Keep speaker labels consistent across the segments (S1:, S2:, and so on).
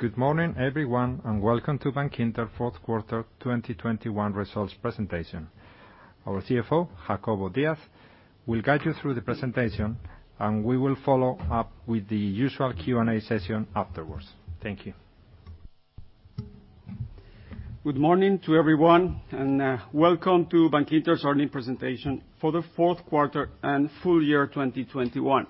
S1: Good morning, everyone, and welcome to Bankinter Fourth Quarter 2021 Results Presentation. Our CFO, Jacobo Díaz, will guide you through the presentation, and we will follow up with the usual Q&A session afterwards. Thank you.
S2: Good morning to everyone, and welcome to Bankinter's Earnings Presentation for the Fourth Quarter and Full Year 2021.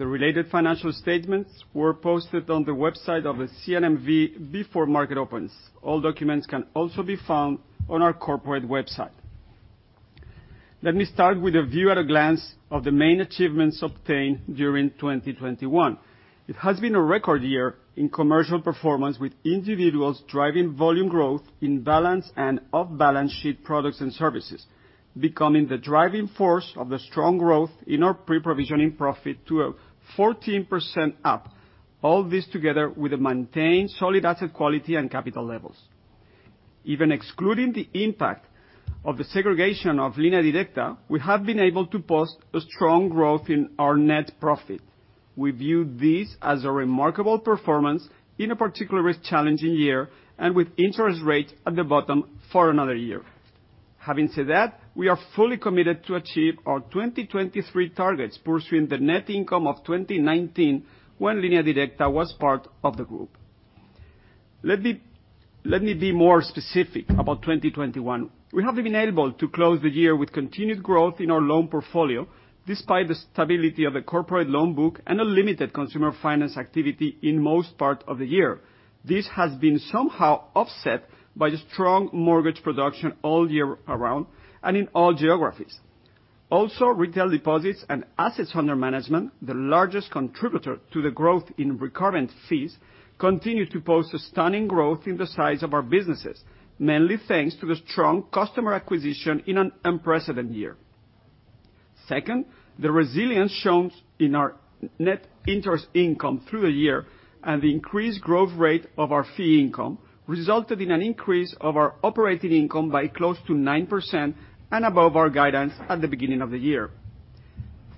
S2: The related financial statements were posted on the website of the CNMV before market opens. All documents can also be found on our corporate website. Let me start with a view at a glance of the main achievements obtained during 2021. It has been a record year in commercial performance, with individuals driving volume growth in balance and off-balance sheet products and services, becoming the driving force of the strong growth in our pre-provision profit up 14%, all this together with a maintained solid asset quality and capital levels. Even excluding the impact of the segregation of Línea Directa, we have been able to post a strong growth in our net profit. We view this as a remarkable performance in a particularly challenging year, and with interest rates at the bottom for another year. Having said that, we are fully committed to achieve our 2023 targets, pursuing the net income of 2019 when Línea Directa was part of the group. Let me be more specific about 2021. We have been able to close the year with continued growth in our loan portfolio despite the stability of the corporate loan book and a limited consumer finance activity in most part of the year. This has been somehow offset by strong mortgage production all year around and in all geographies. Also, retail deposits and assets under management, the largest contributor to the growth in recurrent fees, continue to post a stunning growth in the size of our businesses, mainly thanks to the strong customer acquisition in an unprecedented year. Second, the resilience shown in our net interest income through the year and the increased growth rate of our fee income resulted in an increase of our operating income by close to 9% and above our guidance at the beginning of the year.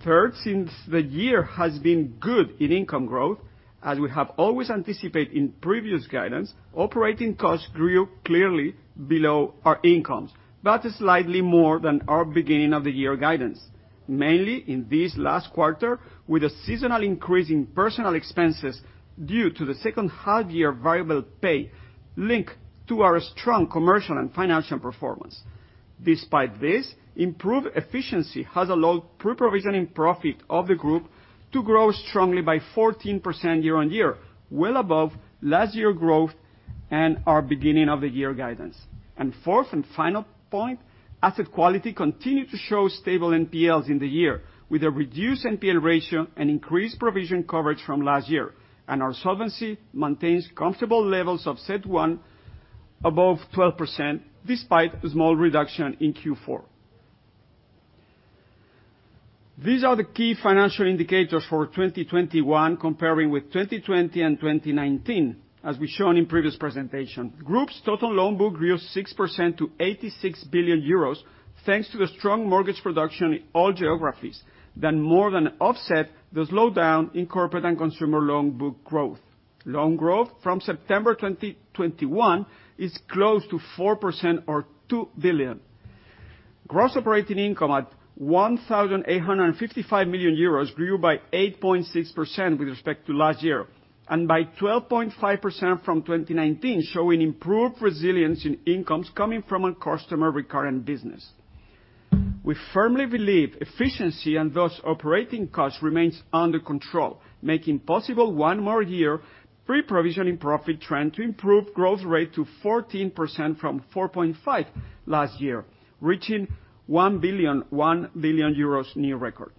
S2: Third, since the year has been good in income growth, as we have always anticipated in previous guidance, operating costs grew clearly below our incomes. That is slightly more than our beginning of the year guidance, mainly in this last quarter, with a seasonal increase in personal expenses due to the second half year variable pay linked to our strong commercial and financial performance. Despite this, improved efficiency has allowed pre-provision profit of the group to grow strongly by 14% year-on-year, well above last year growth and our beginning of the year guidance. Fourth and final point, asset quality continued to show stable NPLs in the year, with a reduced NPL ratio and increased provision coverage from last year. Our solvency maintains comfortable levels of CET1 above 12% despite a small reduction in Q4. These are the key financial indicators for 2021 comparing with 2020 and 2019, as we've shown in previous presentation. Group's total loan book grew 6% to 86 billion euros thanks to the strong mortgage production in all geographies more than offset the slowdown in corporate and consumer loan book growth. Loan growth from September 2021 is close to 4% or 2 billion. Gross operating income at 1,855 million euros grew by 8.6% with respect to last year and by 12.5% from 2019, showing improved resilience in incomes coming from a customer recurrent business. We firmly believe efficiency and thus operating costs remains under control, making possible one more year pre-provision in profit trend to improve growth rate to 14% from 4.5 last year, reaching 1 billion euros new record.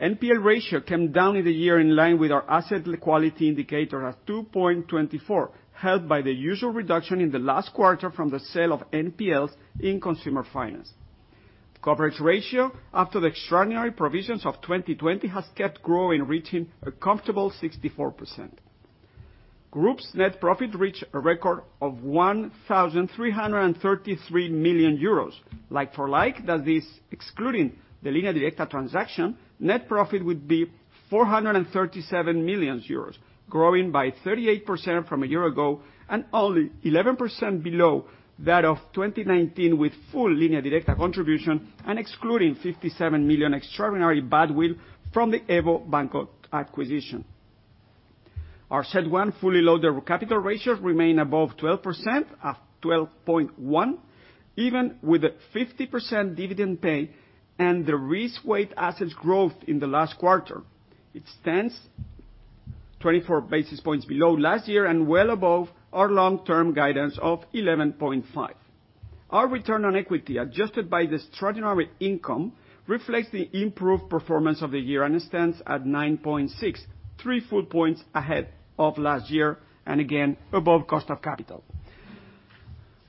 S2: NPL ratio came down in the year in line with our asset quality indicator at 2.24, helped by the usual reduction in the last quarter from the sale of NPLs in consumer finance. Coverage ratio after the extraordinary provisions of 2020 has kept growing, reaching a comfortable 64%. Group's net profit reached a record of 1,333 million euros. Like for like, that is excluding the Línea Directa transaction, net profit would be 437 million euros, growing by 38% from a year ago and only 11% below that of 2019 with full Línea Directa contribution and excluding 57 million extraordinary goodwill from the EVO Banco acquisition. Our CET1 fully loaded capital ratios remain above 12% at 12.1%. Even with a 50% dividend pay and the Risk-Weighted Assets growth in the last quarter, it stands 24 basis points below last year and well above our long-term guidance of 11.5%.Our return on equity, adjusted by the extraordinary income, reflects the improved performance of the year and stands at 9.6, three full points ahead of last year and again above cost of capital.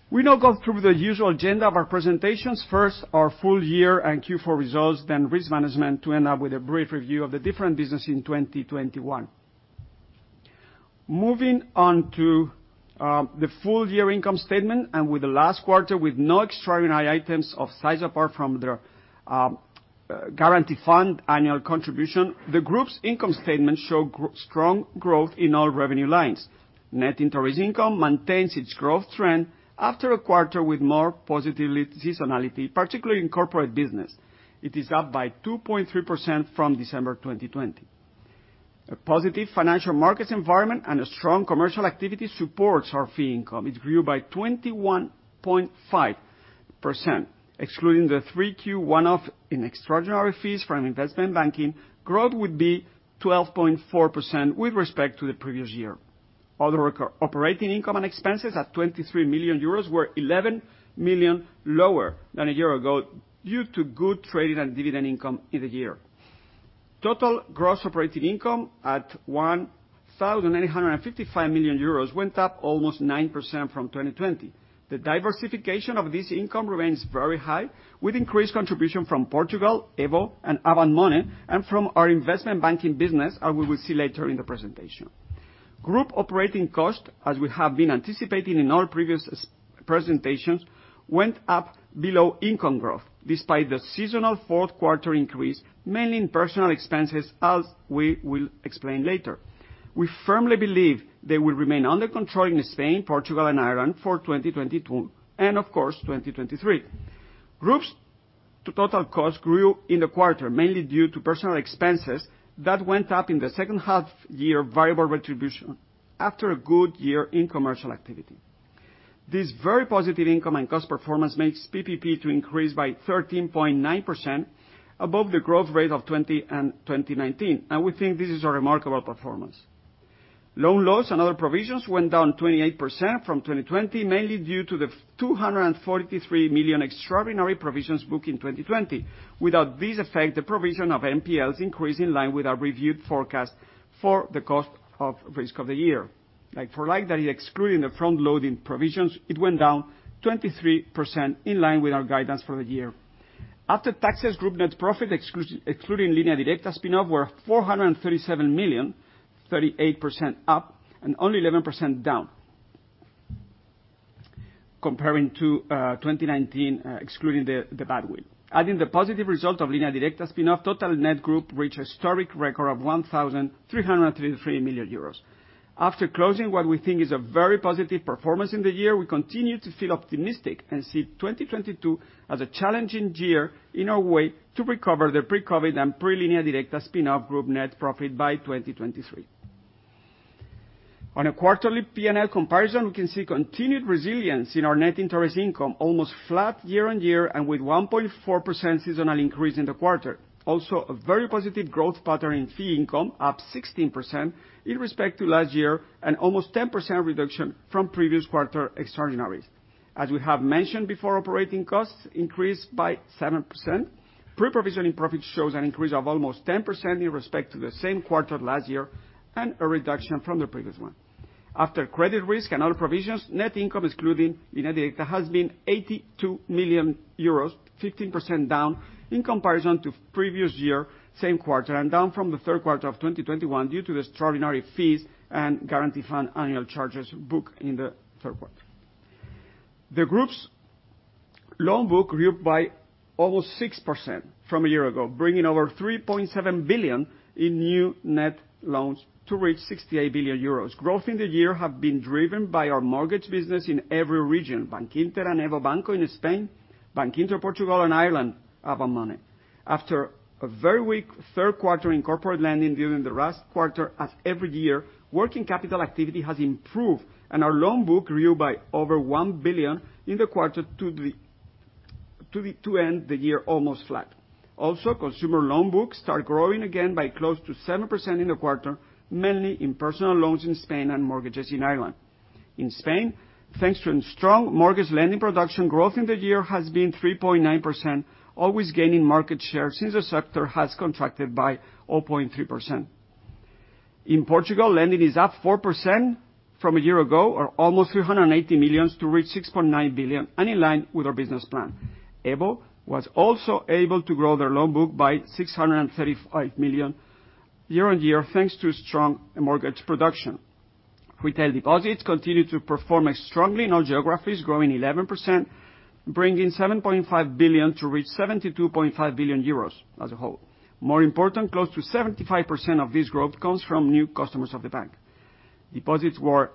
S2: We now go through the usual agenda of our presentations. First, our full year and Q4 results, then risk management, to end up with a brief review of the different business in 2021. Moving on to the full year income statement and with the last quarter, with no extraordinary items of size apart from their Deposit Guarantee Fund annual contribution, the group's income statement shows strong growth in all revenue lines. Net interest income maintains its growth trend after a quarter with more positive seasonality, particularly in corporate business. It is up by 2.3% from December 2020. A positive financial markets environment and a strong commercial activity supports our fee income. It grew by 21.5%, excluding the Q3 one-off in extraordinary fees from investment banking. Growth would be 12.4% with respect to the previous year. Other operating income and expenses at 23 million euros were 11 million lower than a year ago due to good trading and dividend income in the year. Total gross operating income at 1,855 million euros went up almost 9% from 2020. The diversification of this income remains very high, with increased contribution from Portugal, EVO, and Avant Money, and from our investment banking business, as we will see later in the presentation. Group operating cost, as we have been anticipating in all previous presentations, went up below income growth, despite the seasonal fourth quarter increase, mainly in personal expenses, as we will explain later. We firmly believe they will remain under control in Spain, Portugal, and Ireland for 2022, and of course, 2023. Group's total cost grew in the quarter, mainly due to personal expenses that went up in the second half-year variable remuneration after a good year in commercial activity. This very positive income and cost performance makes PPP to increase by 13.9% above the growth rate of 2020 and 2019, and we think this is a remarkable performance. Loan loss and other provisions went down 28% from 2020, mainly due to the 243 million extraordinary provisions booked in 2020. Without this effect, the provision of NPLs increased in line with our reviewed forecast for the cost of risk of the year. Like for like that, excluding the front loading provisions, it went down 23% in line with our guidance for the year. After taxes, group net profit excluding Línea Directa spin-off were 437 million, 38% up and only 11% down comparing to 2019, excluding the bad will. Adding the positive result of Línea Directa spin-off, total net group reached historic record of 1,333 million euros. After closing what we think is a very positive performance in the year, we continue to feel optimistic and see 2022 as a challenging year in our way to recover the pre-COVID and pre-Línea Directa spin-off group net profit by 2023.On a quarterly P&L comparison, we can see continued resilience in our net interest income, almost flat year-on-year and with 1.4% seasonal increase in the quarter. A very positive growth pattern in fee income, up 16% with respect to last year, and almost 10% reduction from previous quarter extraordinaries. Operating costs increased by 7%. Pre-provision profit shows an increase of almost 10% with respect to the same quarter last year, and a reduction from the previous one. After credit risk and other provisions, net income excluding Línea Directa has been 82 million euros, 15% down in comparison to previous year, same quarter, and down from the third quarter of 2021 due to the extraordinary fees and guarantee fund annual charges booked in the third quarter. The group's loan book grew by almost 6% from a year ago, bringing over 3.7 billion in new net loans to reach 68 billion euros. Growth in the year have been driven by our mortgage business in every region, Bankinter and EVO Banco in Spain, Bankinter Portugal and Ireland, Avant Money. After a very weak third quarter in corporate lending during the last quarter as every year, working capital activity has improved, and our loan book grew by over 1 billion in the quarter to end the year almost flat. Consumer loan books start growing again by close to 7% in the quarter, mainly in personal loans in Spain and mortgages in Ireland. In Spain, thanks to a strong mortgage lending production, growth in the year has been 3.9%, always gaining market share since the sector has contracted by 0.3%. In Portugal, lending is up 4% from a year ago to almost 380 million to reach 6.9 billion and in line with our business plan. EVO was also able to grow their loan book by 635 million year-on-year, thanks to strong mortgage production. Retail deposits continued to perform strongly in all geographies, growing 11%, bringing 7.5 billion to reach 72.5 billion euros as a whole. More important, close to 75% of this growth comes from new customers of the bank. Deposits were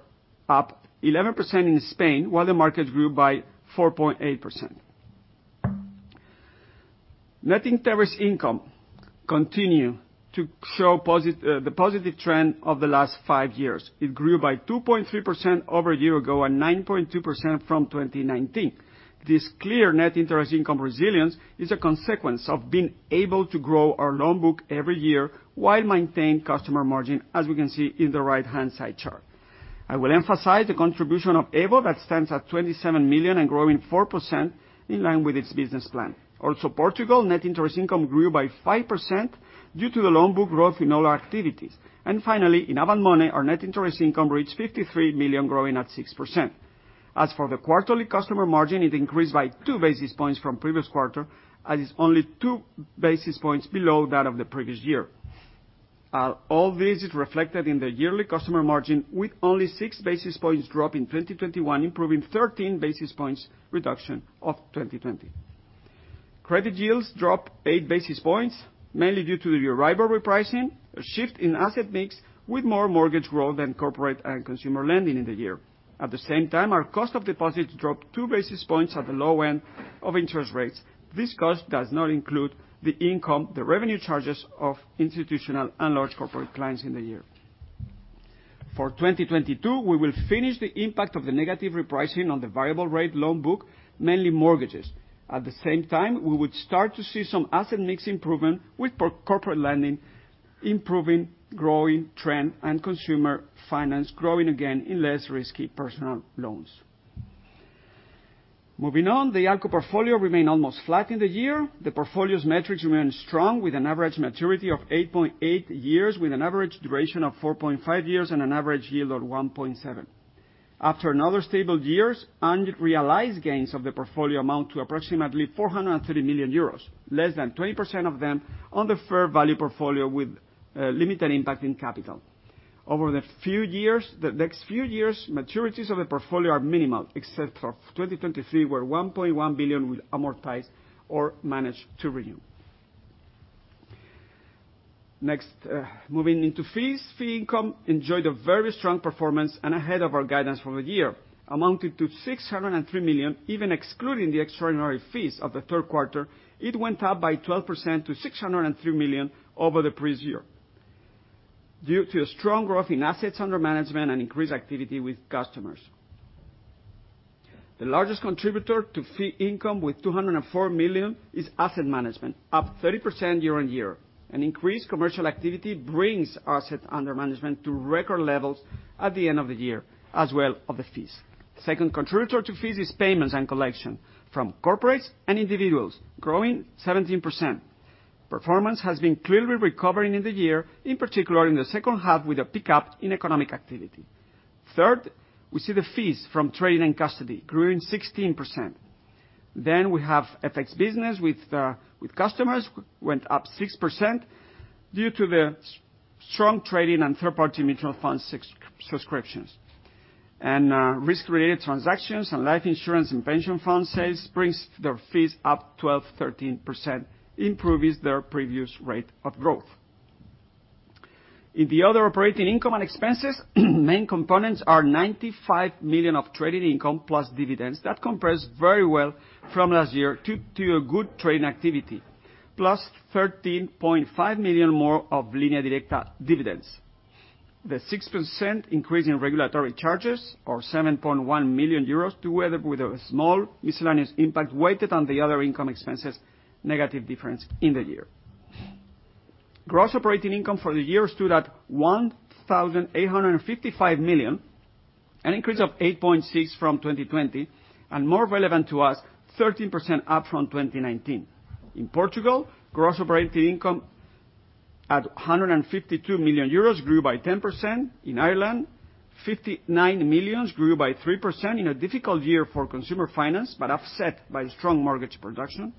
S2: up 11% in Spain, while the market grew by 4.8%.Net interest income continue to show the positive trend of the last five years. It grew by 2.3% over a year ago and 9.2% from 2019. This clear net interest income resilience is a consequence of being able to grow our loan book every year while maintain customer margin, as we can see in the right-hand side chart. I will emphasize the contribution of EVO that stands at 27 million and growing 4% in line with its business plan. Also, Portugal net interest income grew by 5% due to the loan book growth in all our activities. Finally, in Avant Money, our net interest income reached 53 million, growing at 6%. As for the quarterly customer margin, it increased by 2 basis points from previous quarter and is only 2 basis points below that of the previous year. All this is reflected in the yearly customer margin with only 6 basis points drop in 2021, improving 13 basis points reduction of 2020. Credit yields dropped 8 basis points, mainly due to the lower repricing, a shift in asset mix with more mortgage growth than corporate and consumer lending in the year. At the same time, our cost of deposits dropped 2 basis points at the low end of interest rates. This cost does not include the remuneration charges of institutional and large corporate clients in the year. For 2022, we will finish the impact of the negative repricing on the variable rate loan book, mainly mortgages. At the same time, we would start to see some asset mix improvement with corporate lending, improving growing trend and consumer finance growing again in less risky personal loans. Moving on, the ALCO portfolio remained almost flat in the year. The portfolio's metrics remained strong with an average maturity of 8.8 years, with an average duration of 4.5 years and an average yield of 1.7. After another stable years, unrealized gains of the portfolio amount to approximately 430 million euros, less than 20% of them on the fair value portfolio with limited impact in capital. The next few years, maturities of the portfolio are minimal, except for 2023, where 1.1 billion will amortize or manage to renew. Next, moving into fees. Fee income enjoyed a very strong performance and ahead of our guidance for the year, amounted to 603 million, even excluding the extraordinary fees of the third quarter .It went up by 12% to 603 million over the previous year due to a strong growth in assets under management and increased activity with customers. The largest contributor to fee income with 204 million is asset management, up 30% year-on-year. An increased commercial activity brings assets under management to record levels at the end of the year as well as the fees. Second contributor to fees is Payments and Collection from corporates and individuals growing 17%. Performance has been clearly recovering in the year, in particular in the second half with a pickup in economic activity. Third, we see the fees from trade and custody growing 16%. Then we have FX business with customers went up 6% due to the strong trading and third party mutual fund subscriptions. Risk-related transactions and life insurance and pension fund sales brings their fees up 12%-13%, improves their previous rate of growth. In the other operating income and expenses, main components are 95 million of trading income plus dividends. That compares very well from last year to a good trade activity, plus 13.5 million more of Línea Directa dividends. The 6% increase in regulatory charges or 7.1 million euros, together with a small miscellaneous impact weighed on the other income expenses, negative difference in the year. Gross operating income for the year stood at 1,855 million, an increase of 8.6% from 2020 and more relevant to us, 13% up from 2019. In Portugal, gross operating income at 152 million euros grew by 10%. In Ireland, 59 million grew by 3% in a difficult year for consumer finance, but offset by strong mortgage production.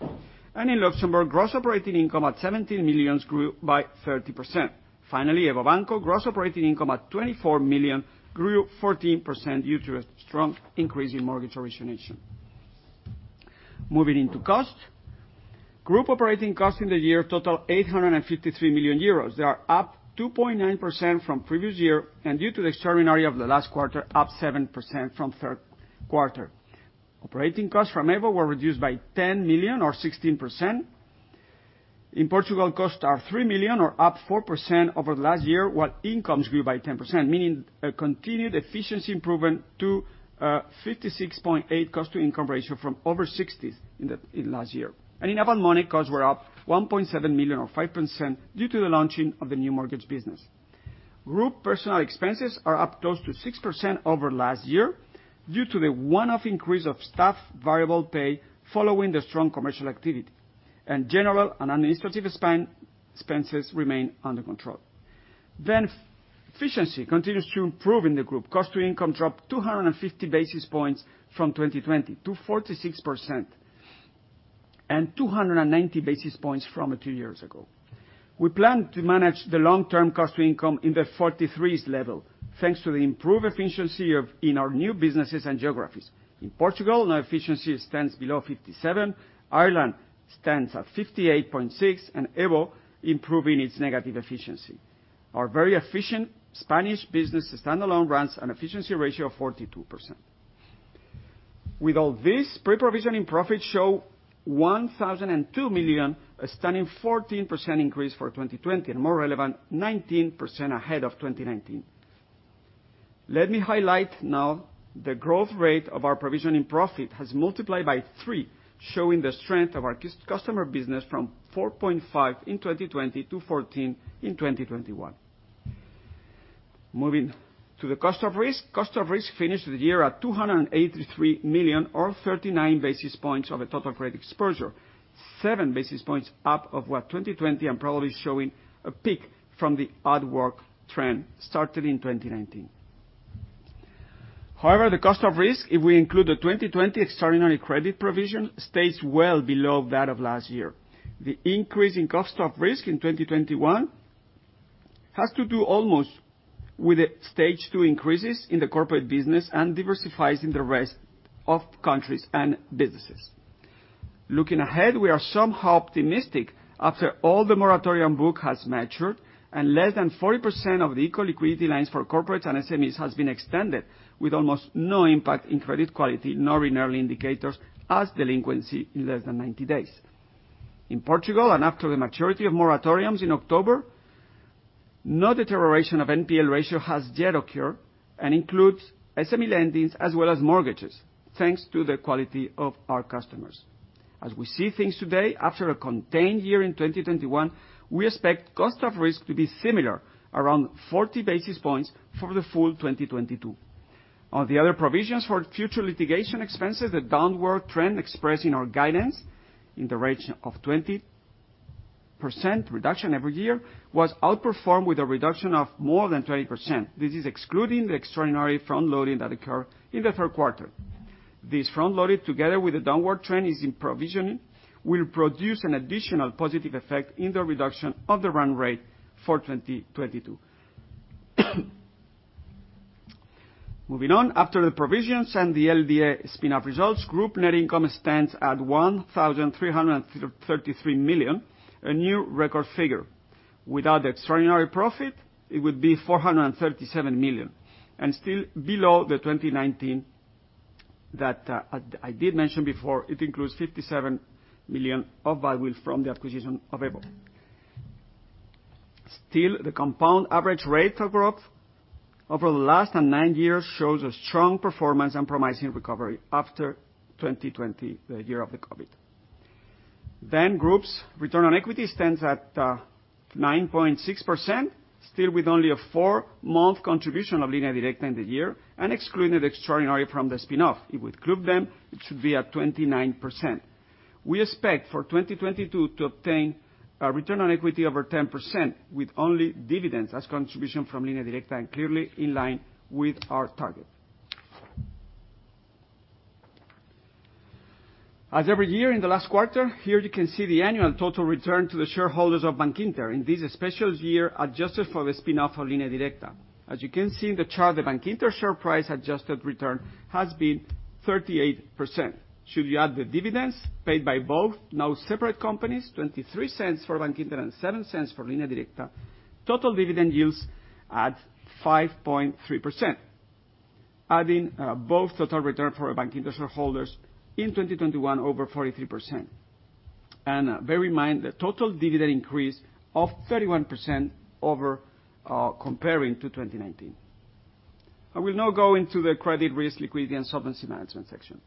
S2: In Luxembourg, gross operating income at 17 million grew by 30%. EVO Banco gross operating income at 24 million grew 14% due to a strong increase in mortgage origination. Moving into costs. Group operating costs in the year total 853 million euros. They are up 2.9% from previous year, and due to the extraordinary of the last quarter, up 7% from third quarter. Operating costs from EVO were reduced by 10 million or 16%. In Portugal, costs are 3 million or up 4% over last year, while incomes grew by 10%, meaning a continued efficiency improvement to 56.8 cost to income ratio from over 60s in the last year. In Avant Money, costs were up 1.7 million or 5% due to the launching of the new mortgage business. Group personal expenses are up close to 6% over last year due to the one-off increase of staff variable pay following the strong commercial activity. General and administrative expenses remain under control. Efficiency continues to improve in the group. Cost to income dropped 250 basis points from 2020 to 46% and 290 basis points from two years ago. We plan to manage the long-term cost to income in the 43s level, thanks to the improved efficiency of in our new businesses and geographies. In Portugal, our efficiency stands below 57%. Ireland stands at 58.6%, and EVO improving its negative efficiency. Our very efficient Spanish business standalone runs an efficiency ratio of 42%. With all this, pre-provision profit showed 1,002 million, a stunning 14% increase for 2020, and more relevant, 19% ahead of 2019. Let me highlight now the growth rate of our pre-provision profit has multiplied by three, showing the strength of our customer business from 4.5 in 2020 to 14 in 2021. Moving to the cost of risk. Cost of risk finished the year at 283 million or 39 basis points of total credit exposure. 7 basis points up from what 2020, and probably showing a peak from the upward trend started in 2019. However, the cost of risk, if we include the 2020 extraordinary credit provision, stays well below that of last year. The increase in cost of risk in 2021 has to do almost with the Stage 2 increases in the corporate business and diversifies in the rest of countries and businesses. Looking ahead, we are somehow optimistic after all the moratorium book has matured and less than 40% of the ICO liquidity lines for corporates and SMEs has been extended, with almost no impact in credit quality, nor in early indicators as delinquency in less than 90 days. In Portugal, after the maturity of moratoriums in October, no deterioration of NPL ratio has yet occurred, and includes SME lendings as well as mortgages, thanks to the quality of our customers. As we see things today, after a contained year in 2021, we expect cost of risk to be similar, around 40 basis points for the full 2022. On the other provisions for future litigation expenses, the downward trend expressed in our guidance in the range of 20% reduction every year, was outperformed with a reduction of more than 20%. This is excluding the extraordinary front-loading that occurred in the third quarter. This front-loading, together with the downward trend is in provisioning, will produce an additional positive effect in the reduction of the run rate for 2022. Moving on. After the provisions and the LDA spin-off results, group net income stands at 1,333 million, a new record figure. Without the extraordinary profit, it would be 437 million, and still below the 2019 that I did mention before. It includes 57 million of goodwill from the acquisition of EVO. Still, the compound average rate of growth over the last nine years shows a strong performance and promising recovery after 2020, the year of the COVID. Group's return on equity stands at 9.6%, still with only a four-month contribution of Línea Directa in the year, and excluding the extraordinary from the spin-off. If we include them, it should be at 29%. We expect for 2022 to obtain a return on equity over 10%, with only dividends as contribution from Línea Directa, and clearly in line with our target. As every year in the last quarter, here you can see the annual total return to the shareholders of Bankinter. In this special year, adjusted for the spin-off of Línea Directa. As you can see in the chart, the Bankinter share price adjusted return has been 38%. Should you add the dividends paid by both now separate companies, 0.23 for Bankinter and 0.07 for Línea Directa, total dividend yield at 5.3%. Adding both total return for our Bankinter Shareholders in 2021, over 43%. Bear in mind, the total dividend increase of 31% over, comparing to 2019. I will now go into the credit risk liquidity and solvency management section.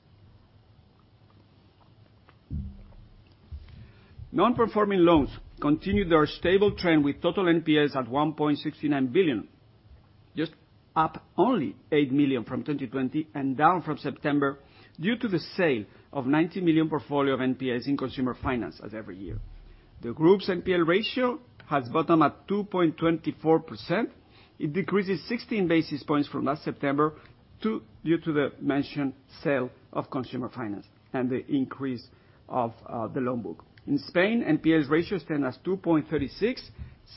S2: Non-performing loans continued their stable trend with total NPLs at 1.69 billion, just up only 8 million from 2020, and down from September due to the sale of 90 million portfolio of NPLs in consumer finance as every year. The group's NPL ratio has bottomed at 2.24%. It decreases 16 basis points from last September due to the mentioned sale of consumer finance and the increase of the loan book. In Spain, NPL ratio stands at 2.36,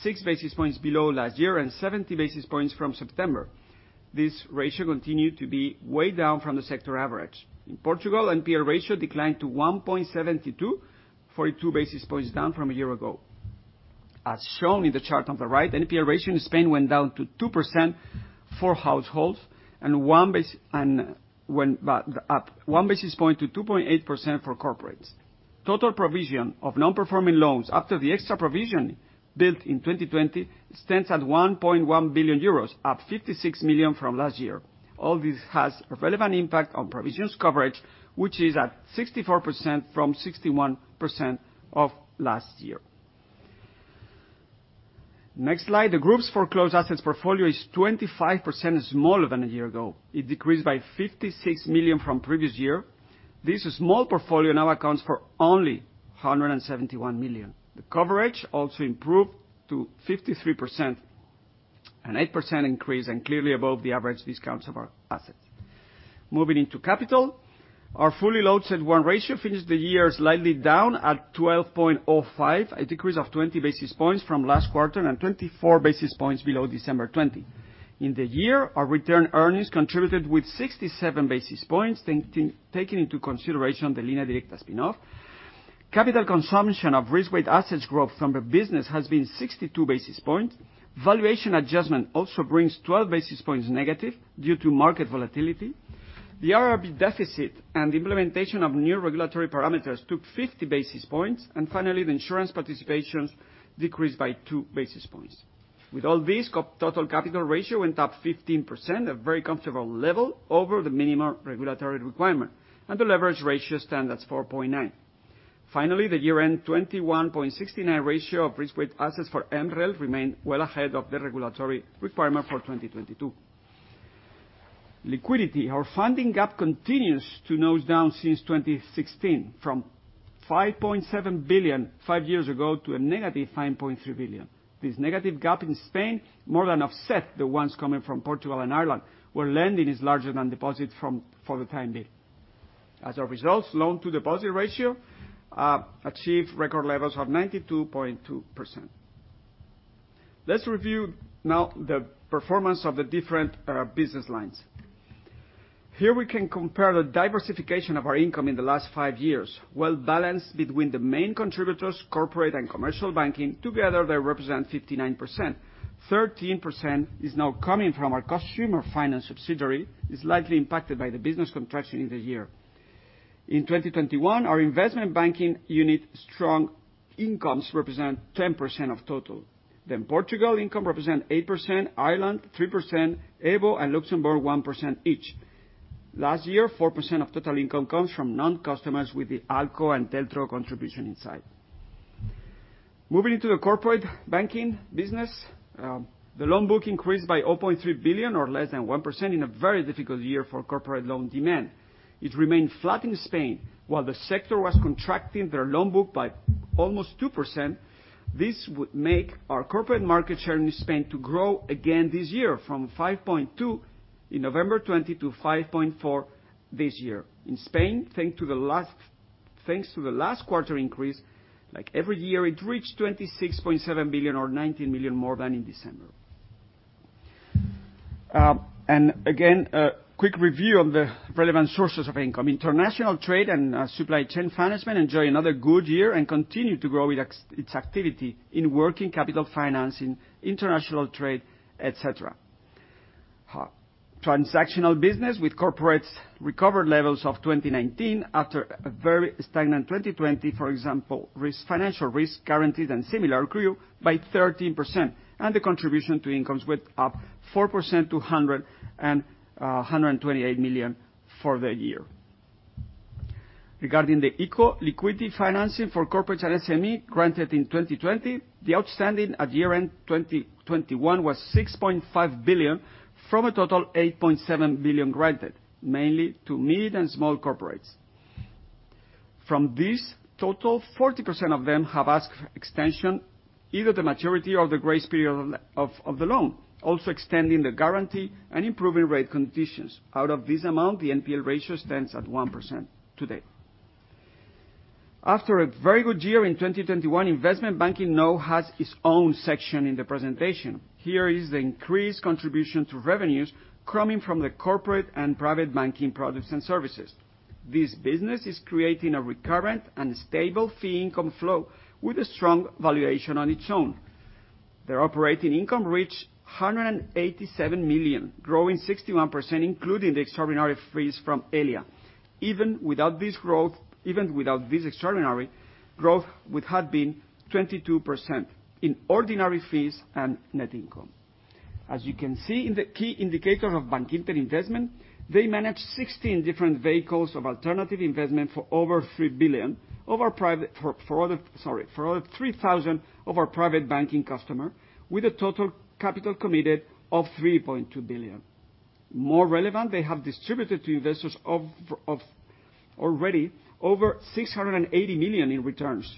S2: 6 basis points below last year and 70 basis points from September. This ratio continued to be way down from the sector average. In Portugal, NPL ratio declined to 1.72, 42 basis points down from a year ago. As shown in the chart on the right, NPL ratio in Spain went down to 2% for households and up one basis point to 2.8% for corporates. Total provision of non-performing loans after the extra provisioning built in 2020 stands at 1.1 billion euros, up 56 million from last year. All this has relevant impact on provisions coverage, which is at 64% from 61% of last year. Next slide. The group's foreclosed assets portfolio is 25% smaller than a year ago. It decreased by 56 million from previous year. This small portfolio now accounts for only 171 million. The coverage also improved to 53%, an 8% increase, and clearly above the average discounts of our assets. Moving into capital, our fully loaded CET1 ratio finished the year slightly down at 12.05, a decrease of 20 basis points from last quarter and 24 basis points below December 2020. In the year, our retained earnings contributed with 67 basis points, taking into consideration the Línea Directa spin-off. Capital consumption of Risk-Weighted Assets growth from the business has been 62 basis points. Valuation adjustment also brings 12 basis points negative due to market volatility. The IRB deficit and the implementation of new regulatory parameters took 50 basis points, and finally, the insurance participations decreased by 2 basis points. With all this, total capital ratio went up 15%, a very comfortable level over the minimum regulatory requirement, and the leverage ratio stands at 4.9. Finally, the year-end 21.69 ratio of Risk-Weighted Assets for MREL remained well ahead of the regulatory requirement for 2022. Liquidity. Our funding gap continues to nose down since 2016, from 5.7 billion five years ago to a negative 5.3 billion. This negative gap in Spain more than offset the ones coming from Portugal and Ireland, where lending is larger than deposit for the time being. As a result, loan-to-deposit ratio achieved record levels of 92.2%. Let's review now the performance of the different business lines. Here we can compare the diversification of our income in the last five years, well balanced between the main contributors, corporate and commercial banking. Together they represent 59%. 13% is now coming from our customer finance subsidiary, is slightly impacted by the business contraction in the year. In 2021, our investment banking unit strong incomes represent 10% of total. Then Portugal income represent 8%. Ireland, 3%. EVO and Luxembourg, 1% each. Last year, 4% of total income comes from non-customers with the ALCO and TLTRO contribution inside. Moving to the Corporate Banking business, the loan book increased by 0.3 billion or less than 1% in a very difficult year for corporate loan demand. It remained flat in Spain while the sector was contracting their loan book by almost 2%. This would make our corporate market share in Spain to grow again this year from 5.2% in November 2020 to 5.4% this year. In Spain, thanks to the last quarter increase, like every year, it reached 26.7 billion or 19 million more than in December. A quick review of the relevant sources of income. International Trade and Supply Chain Finance enjoy another good year and continue to grow its activity in working capital financing, International Trade, et cetera. Transactional business with corporates recovered levels of 2019 after a very stagnant 2020, for example, risk, financial risk guarantees and similar grew by 13% and the contribution to incomes went up 4% to EUR 128 million for the year. Regarding the ICO liquidity financing for corporates and SME granted in 2020, the outstanding at year-end 2021 was 6.5 billion from a total 8.7 billion granted, mainly to mid and small corporates. From this total, 40% of them have asked for extension, either the maturity or the grace period of the loan, also extending the guarantee and improving rate conditions. Out of this amount, the NPL ratio stands at 1% today. After a very good year in 2021, investment banking now has its own section in the presentation. Here is the increased contribution to revenues coming from the Corporate and Private Banking products and services. This business is creating a recurrent and stable fee income flow with a strong valuation on its own. Their operating income reached 187 million, growing 61%, including the extraordinary fees from Helia. Even without this, extraordinary growth would have been 22% in ordinary fees and net income. As you can see in the key indicator of Bankinter Investment, they manage 16 different vehicles of alternative investment for over 3,000 of our Private Banking customer, with a total capital committed of 3.2 billion. More relevant, they have distributed to investors of already over 680 million in returns.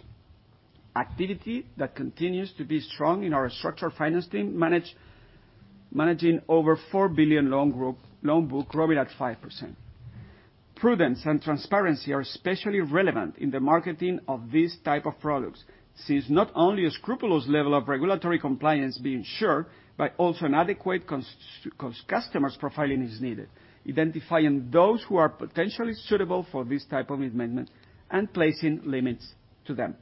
S2: Activity that continues to be strong in our structured financing, managing over 4 billion loan book growing at 5%. Prudence and transparency are especially relevant in the marketing of these type of products, since not only a scrupulous level of regulatory compliance being assured, but also an adequate customer's profiling is needed, identifying those who are potentially suitable for this type of investment and placing limits to them.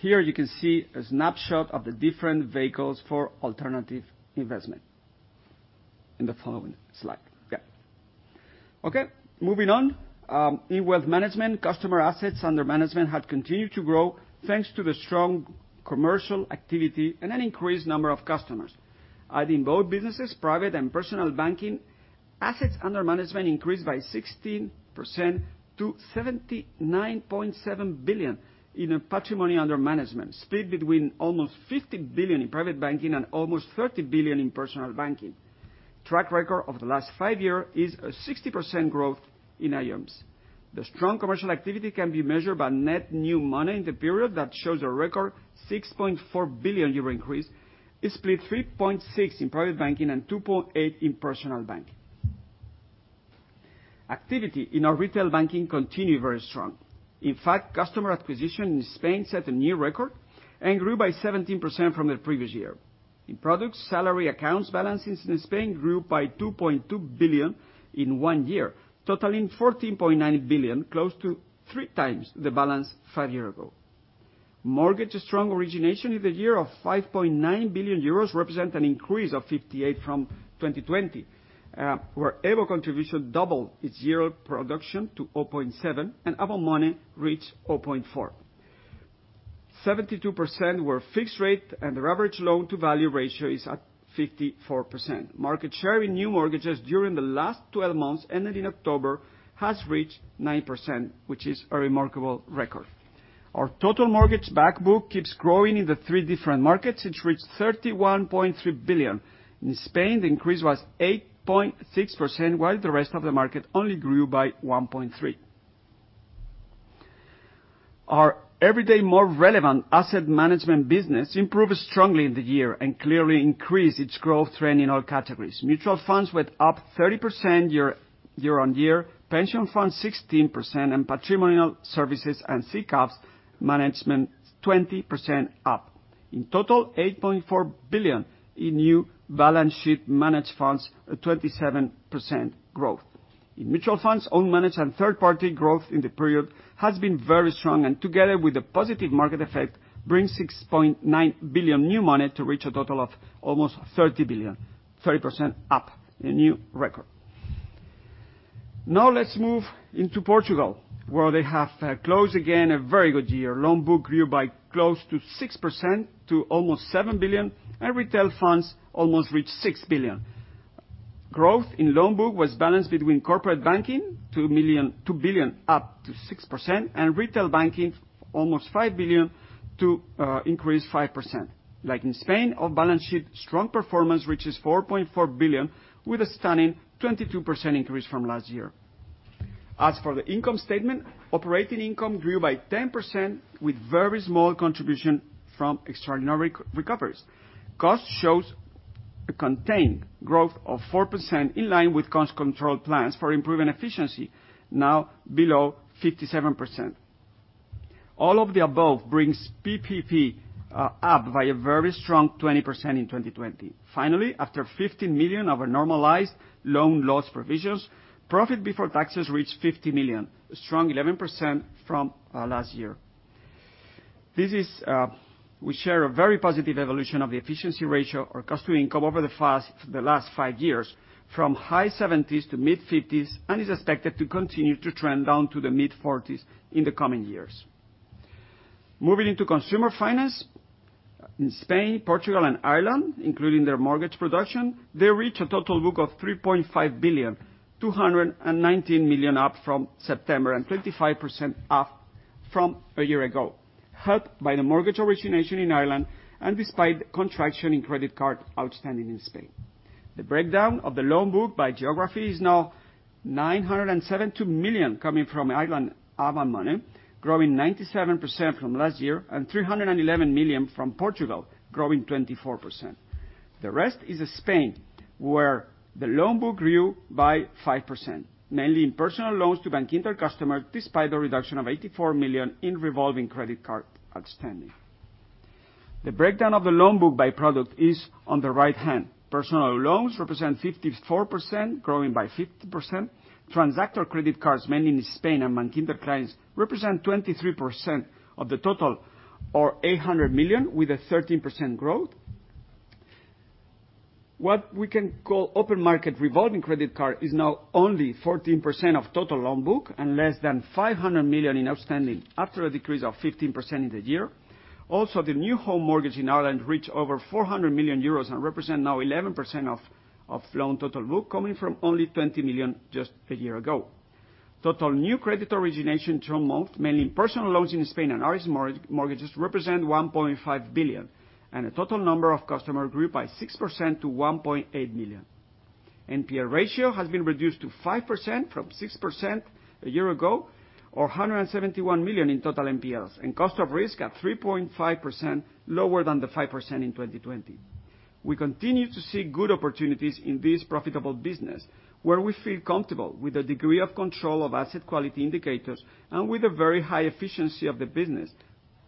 S2: Here you can see a snapshot of the different vehicles for alternative investment in the following slide. Yeah. Okay, moving on. In Wealth Management, customer assets under management had continued to grow thanks to the strong commercial activity and an increased number of customers. In both businesses, Private and Personal Banking, assets under management increased by 16% to 79.7 billion in assets under management, split between almost 50 billion in Private Banking and almost 30 billion in Personal Banking. The track record of the last five years is 60% growth in AUMs. The strong commercial activity can be measured by net new money in the period that shows a record 6.4 billion euro increase. It's split 3.6 in Private Banking and 2.8 in Personal Banking. Activity in our Retail Banking continued very strong. In fact, customer acquisition in Spain set a new record and grew by 17% from the previous year. In products, salary account balances in Spain grew by 2.2 billion in one year, totaling 14.9 billion, close to 3x the balance five years ago. Mortgage strong origination in the year of 5.9 billion euros represents an increase of 58% from 2020, where Evo contribution doubled its year production to 0.7 billion and Avant Money reached 0.4 billion. 72% were fixed rate and the average loan-to-value ratio is at 54%. Market share in new mortgages during the last 12 months, ending in October, has reached 9%, which is a remarkable record. Our total mortgage book keeps growing in the three different markets. It's reached 31.3 billion. In Spain, the increase was 8.6%, while the rest of the market only grew by 1.3%. Our ever more relevant asset management business improved strongly in the year and clearly increased its growth trend in all categories. Mutual funds went up 30% year-on-year, pension funds 16%, and Patrimonial Services and SICAVs management 20% up. In total, 8.4 billion in new balance sheet managed funds at 27% growth. In mutual funds, all managed and third-party growth in the period has been very strong, and together with the positive market effect, brings 6.9 billion new money to reach a total of almost 30 billion, 30% up, a new record. Now let's move into Portugal, where they have closed again a very good year. Loan book grew by close to 6% to almost 7 billion, and retail funds almost reached 6 billion. Growth in loan book was balanced between Corporate Banking, 2 billion up 6%, and retail banking, almost 5 billion to increase 5%.Like in Spain, off-balance-sheet strong performance reaches 4.4 billion with a stunning 22% increase from last year. As for the income statement, operating income grew by 10% with very small contribution from extraordinary recoveries. Cost shows a contained growth of 4% in line with cost control plans for improving efficiency, now below 57%. All of the above brings PPP up by a very strong 20% in 2020. Finally, after 15 million of our normalized loan loss provisions, profit before taxes reached 50 million, a strong 11% from last year. We share a very positive evolution of the efficiency ratio or cost to income over the last five years, from high 70s to mid-50s, and is expected to continue to trend down to the mid-40s in the coming years. Moving into consumer finance, in Spain, Portugal, and Ireland, including their mortgage production, they reach a total book of 3.719 billion up from September, and 25% up from a year ago, helped by the mortgage origination in Ireland and despite contraction in credit card outstanding in Spain. The breakdown of the loan book by geography is now 972 million coming from Ireland Avant Money, growing 97% from last year, and 311 million from Portugal, growing 24%. The rest is Spain, where the loan book grew by 5%, mainly in personal loans to Bankinter customers, despite a reduction of 84 million in revolving credit card outstanding. The breakdown of the loan book by product is on the right hand. Personal loans represent 54%, growing by 50%.Transactor credit cards, mainly in Spain and Bankinter clients, represent 23% of the total, or 800 million with a 13% growth. What we can call open-market revolving credit card is now only 14% of total loan book and less than 500 million in outstanding after a decrease of 15% in the year. Also, the new home mortgage in Ireland reached over 400 million euros and represent now 11% of loan total book, coming from only 20 million just a year ago. Total new credit origination through the month, mainly personal loans in Spain and Irish mortgages, represent 1.5 billion, and the total number of customers grew by 6% to 1.8 million. NPL ratio has been reduced to 5% from 6% a year ago, or 171 million in total NPLs, and cost of risk at 3.5%, lower than the 5% in 2020. We continue to see good opportunities in this profitable business where we feel comfortable with the degree of control of asset quality indicators and with a very high efficiency of the business,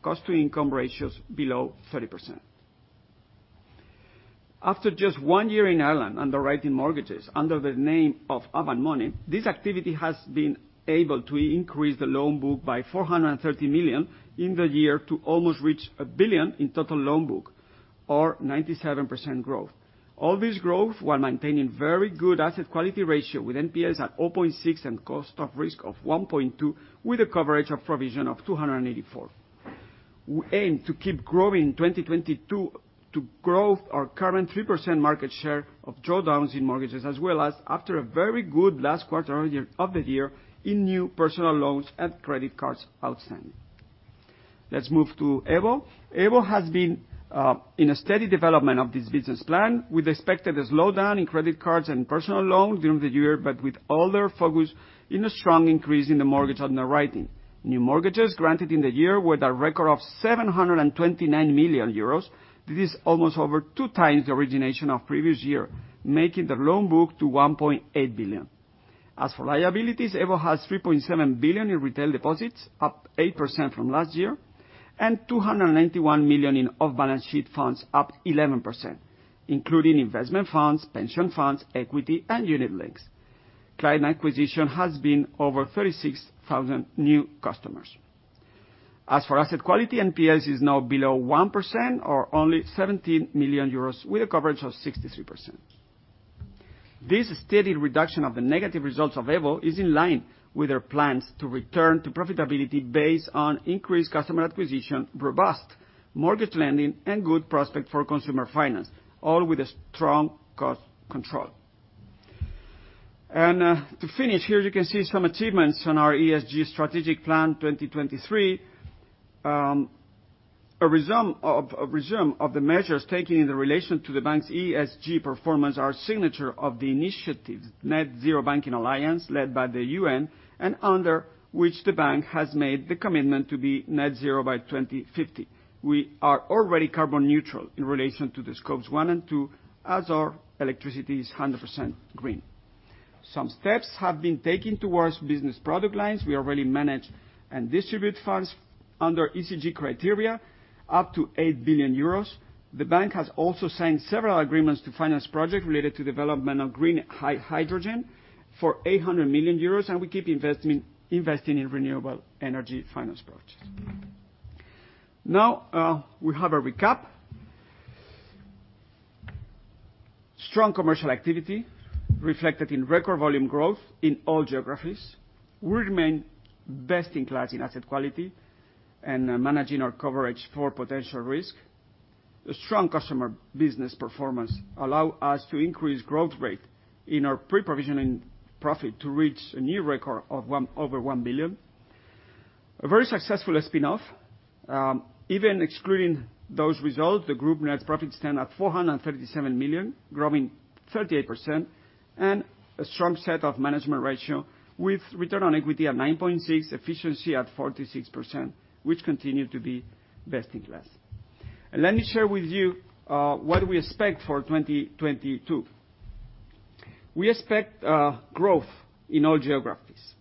S2: cost to income ratios below 30%. After just one year in Ireland underwriting mortgages under the name of Avant Money, this activity has been able to increase the loan book by 430 million in the year to almost reach 1 billion in total loan book or 97% growth. All this growth while maintaining very good asset quality ratio with NPLs at 0.6% and cost of risk of 1.2% with a coverage of provision of 284%. We aim to keep growing in 2022 to grow our current 3% market share of drawdowns in mortgages, as well as after a very good last quarter of the year in new personal loans and credit cards outstanding. Let's move to EVO. EVO has been in a steady development of this business plan. We expected a slowdown in credit cards and personal loans during the year, but with all their focus in a strong increase in the mortgage underwriting. New mortgages granted in the year were the record of 729 million euros. This is almost over two times the origination of previous year, making the loan book to 1.8 billion. As for liabilities, EVO has 3.7 billion in retail deposits, up 8% from last year, and 291 million in off-balance sheet funds, up 11%, including investment funds, pension funds, equity, and unit links. Client acquisition has been over 36,000 new customers. As for asset quality, NPLs is now below 1% or only 17 million euros with a coverage of 63%. This steady reduction of the negative results of EVO is in line with their plans to return to profitability based on increased customer acquisition, robust mortgage lending, and good prospect for consumer finance, all with a strong cost control. To finish, here you can see some achievements on our ESG Strategic Plan 2023. A résumé of the measures taken in relation to the bank's ESG performance is the signature of the initiative Net-Zero Banking Alliance, led by the UN, and under which the bank has made the commitment to be net zero by 2050. We are already carbon neutral in relation to Scopes 1 and 2, as our electricity is 100% green. Some steps have been taken towards business product lines. We already manage and distribute funds under ESG criteria, up to 8 billion euros. The bank has also signed several agreements to finance projects related to development of green hydrogen for 800 million euros, and we keep investing in renewable energy finance projects. Now we have a recap. Strong commercial activity reflected in record volume growth in all geographies. We remain best in class in asset quality and managing our coverage for potential risk. A strong customer business performance allow us to increase growth rate in our pre-provisioning profit to reach a new record of over 1 billion. A very successful spin-off. Even excluding those results, the group net profits stand at 437 million, growing 38%, and a strong set of management ratio with return on equity at 9.6%, efficiency at 46%, which continue to be Best in Class. Let me share with you what we expect for 2022. We expect growth in all geographies.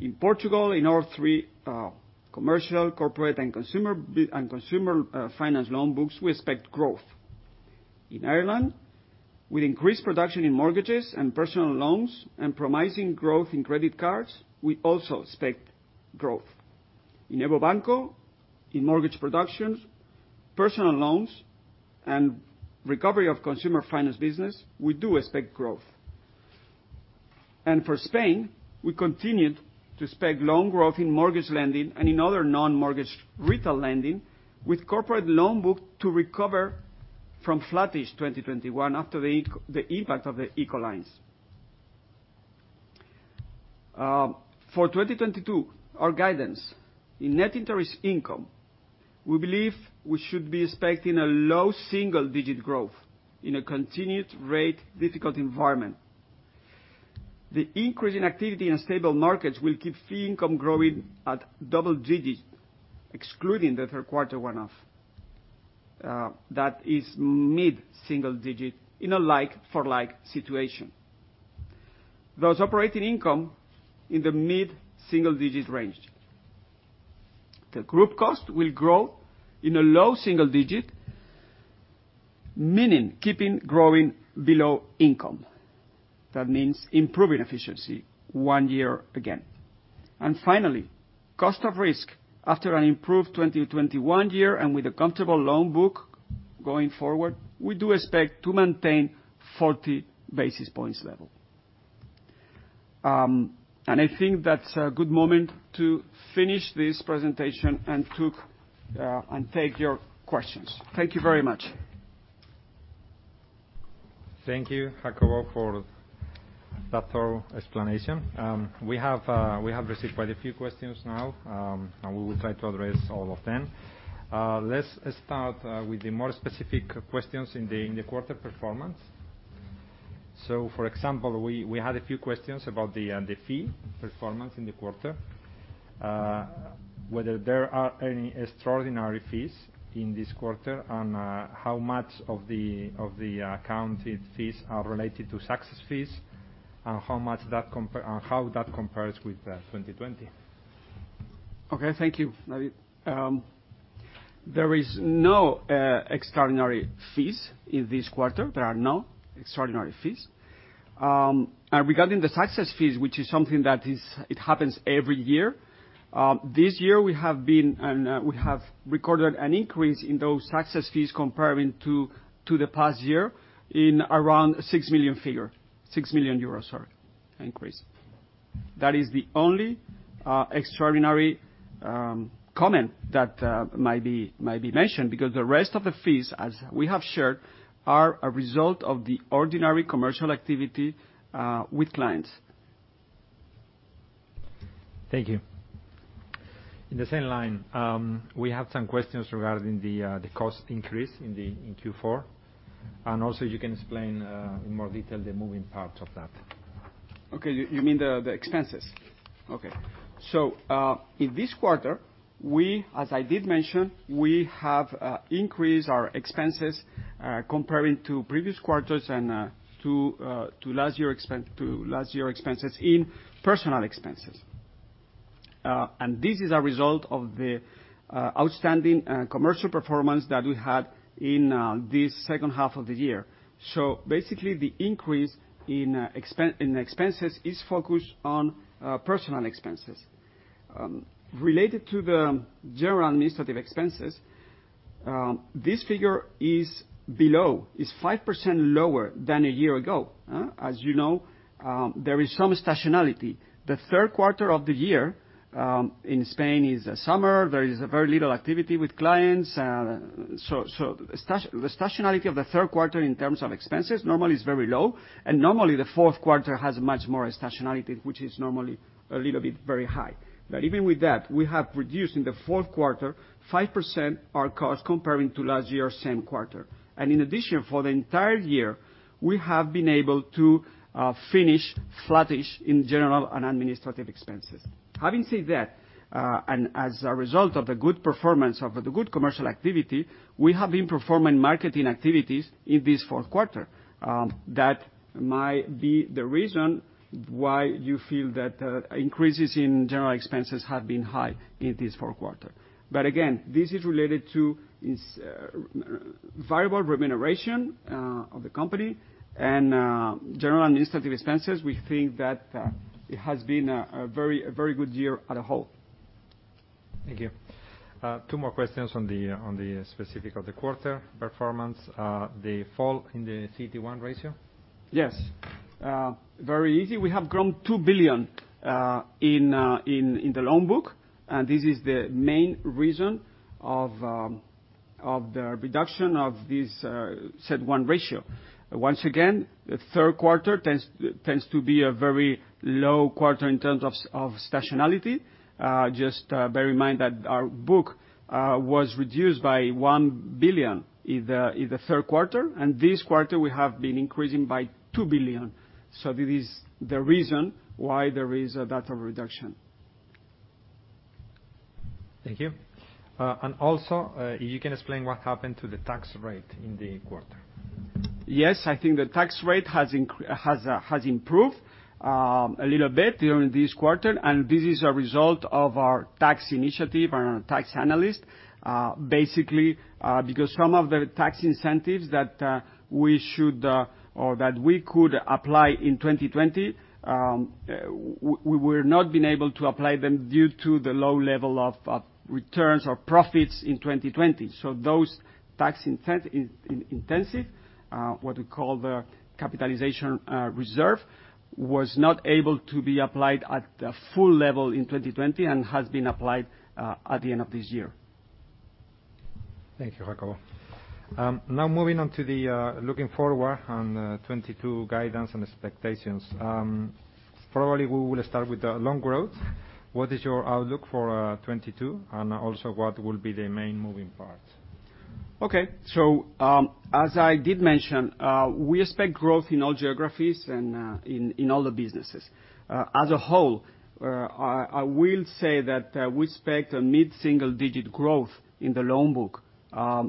S2: In Portugal, in all three commercial, corporate and consumer finance loan books, we expect growth. In Ireland, with increased production in mortgages and personal loans and promising growth in credit cards, we also expect growth. In EVO Banco, in mortgage productions, personal loans, and recovery of consumer finance business, we do expect growth. For Spain, we continue to expect loan growth in mortgage lending and in other non-mortgage retail lending, with corporate loan book to recover from flattish 2021 after the impact of the ICO lines. For 2022, our guidance in net interest income, we believe we should be expecting a low single-digit growth in a continued rate difficult environment. The increase in activity in stable markets will keep fee income growing at double digits, excluding the third quarter one-off. That is mid-single digit in a like for like situation. Thus operating income in the mid-single digit range. The group cost will grow in a low single digit, meaning keeping growing below income. That means improving efficiency one year again. Finally, cost of risk after an improved 2021 year and with a comfortable loan book going forward, we do expect to maintain 40 basis points level. I think that's a good moment to finish this presentation and take your questions. Thank you very much.
S1: Thank you, Jacobo Díaz, for that thorough explanation. We have received quite a few questions now, and we will try to address all of them. Let's start with the more specific questions in the quarter performance. For example, we had a few questions about the fee performance in the quarter, whether there are any extraordinary fees in this quarter and how much of the accounted fees are related to success fees, and how that compares with 2020.
S2: Okay, thank you, David. There is no extraordinary fees in this quarter. There are no extraordinary fees. Regarding the success fees, which is something that happens every year, this year we have recorded an increase in those success fees comparing to the past year in around 6 million, sorry, increase. That is the only extraordinary comment that might be mentioned because the rest of the fees, as we have shared, are a result of the ordinary commercial activity with clients.
S1: Thank you. In the same line, we have some questions regarding the cost increase in Q4, and also you can explain in more detail the moving parts of that.
S2: Okay, you mean the expenses? Okay. In this quarter, we, as I did mention, we have increased our expenses, comparing to previous quarters and to last year expenses in personnel expenses. This is a result of the outstanding commercial performance that we had in this second half of the year. Basically, the increase in expenses is focused on personnel expenses related to the General Administrative Expenses. This figure is 5% lower than a year ago, as you know, there is some seasonality. The third quarter of the year in Spain is summer, there is very little activity with clients. The seasonality of the third quarter in terms of expenses normally is very low. Normally, the fourth quarter has much more seasonality, which is normally a little bit very high. Even with that, we have reduced in the fourth quarter 5% our costs comparing to last year same quarter. In addition, for the entire year, we have been able to finish flattish in General and Administrative Expenses. Having said that, and as a result of the good performance of the good commercial activity, we have been performing marketing activities in this fourth quarter. That might be the reason why you feel that increases in General Expenses have been high in this fourth quarter. Again, this is related to this variable remuneration of the company and General Administrative Expenses. We think that it has been a very good year as a whole.
S1: Thank you. Two more questions on the specifics of the quarter performance, the fall in the CET1 ratio.
S2: Yes. Very easy. We have grown 2 billion in the loan book, and this is the main reason of the reduction of this CET1 ratio. Once again, the third quarter tends to be a very low quarter in terms of seasonality. Just bear in mind that our book was reduced by 1 billion in the third quarter, and this quarter we have been increasing by 2 billion. This is the reason why there is that reduction.
S1: Thank you. If you can explain what happened to the tax rate in the quarter?
S2: Yes, I think the tax rate has improved a little bit during this quarter, and this is a result of our tax initiative and our tax analyst. Basically, because some of the tax incentives that we should or that we could apply in 2020, we've not been able to apply them due to the low level of returns or profits in 2020. Those tax incentives, what we call the capitalization reserve, was not able to be applied at the full level in 2020 and has been applied at the end of this year.
S1: Thank you, Jacobo. Now moving on to the looking forward on 2022 guidance and expectations. Probably we will start with the loan growth. What is your outlook for 2022? And also, what will be the main moving parts?
S2: Okay. As I did mention, we expect growth in all geographies and in all the businesses. As a whole, I will say that we expect a mid-single digit growth in the loan book.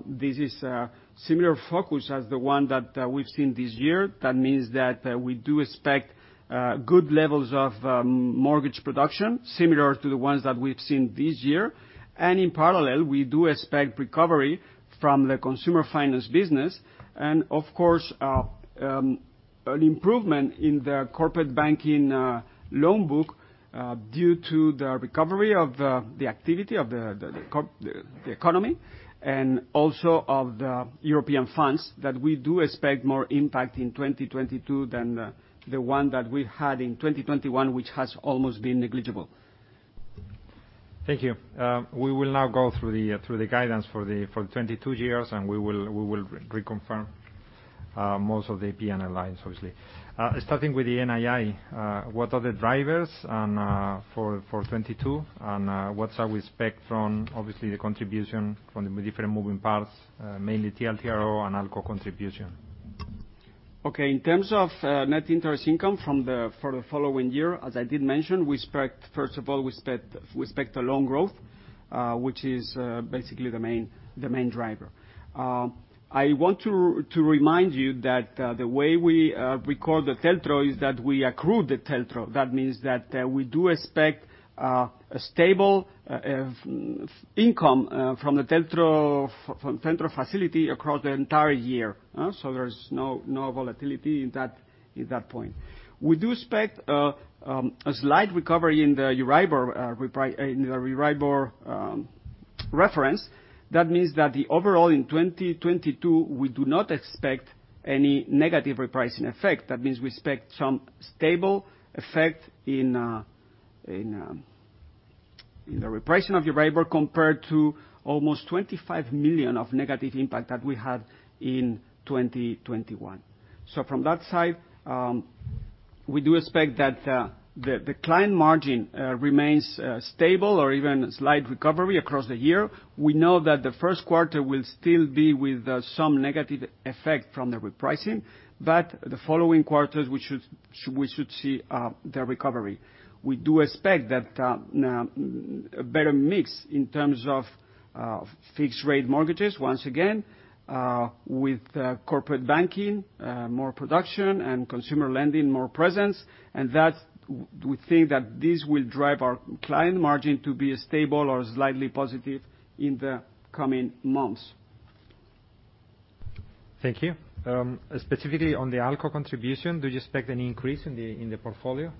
S2: This is a similar focus as the one that we've seen this year. That means that we do expect good levels of mortgage production similar to the ones that we've seen this year. In parallel, we do expect recovery from the consumer finance business. Of course, an improvement in the Corporate Banking loan book due to the recovery of the activity of the economy, and also of the European funds that we do expect more impact in 2022 than the one that we had in 2021, which has almost been negligible.
S1: Thank you. We will now go through the guidance for 2022, and we will reconfirm most of the PNL lines, obviously. Starting with the NII, what are the drivers for 2022, and what do we expect from obviously the contribution from the different moving parts, mainly TLTRO III and ALCO contribution?
S2: Okay. In terms of net interest income for the following year, as I did mention, we expect, first of all, a loan growth which is basically the main driver. I want to remind you that the way we record the TLTRO III is that we accrue the TLTRO III. That means that we do expect a stable income from the TLTRO III facility across the entire year. So there's no volatility in that point. We do expect a slight recovery in the Euribor reference. That means that the overall in 2022, we do not expect any negative repricing effect. That means we expect some stable effect in the repricing of Euribor compared to almost 25 million of negative impact that we had in 2021. From that side, we do expect that the client margin remains stable or even slight recovery across the year. We know that the first quarter will still be with some negative effect from the repricing, but the following quarters, we should see the recovery. We do expect that a better mix in terms of fixed rate mortgages, once again with Corporate Banking more production and consumer lending, more presence. That's, we think, that this will drive our client margin to be stable or slightly positive in the coming months.
S1: Thank you. Specifically on the ALCO contribution, do you expect any increase in the portfolio?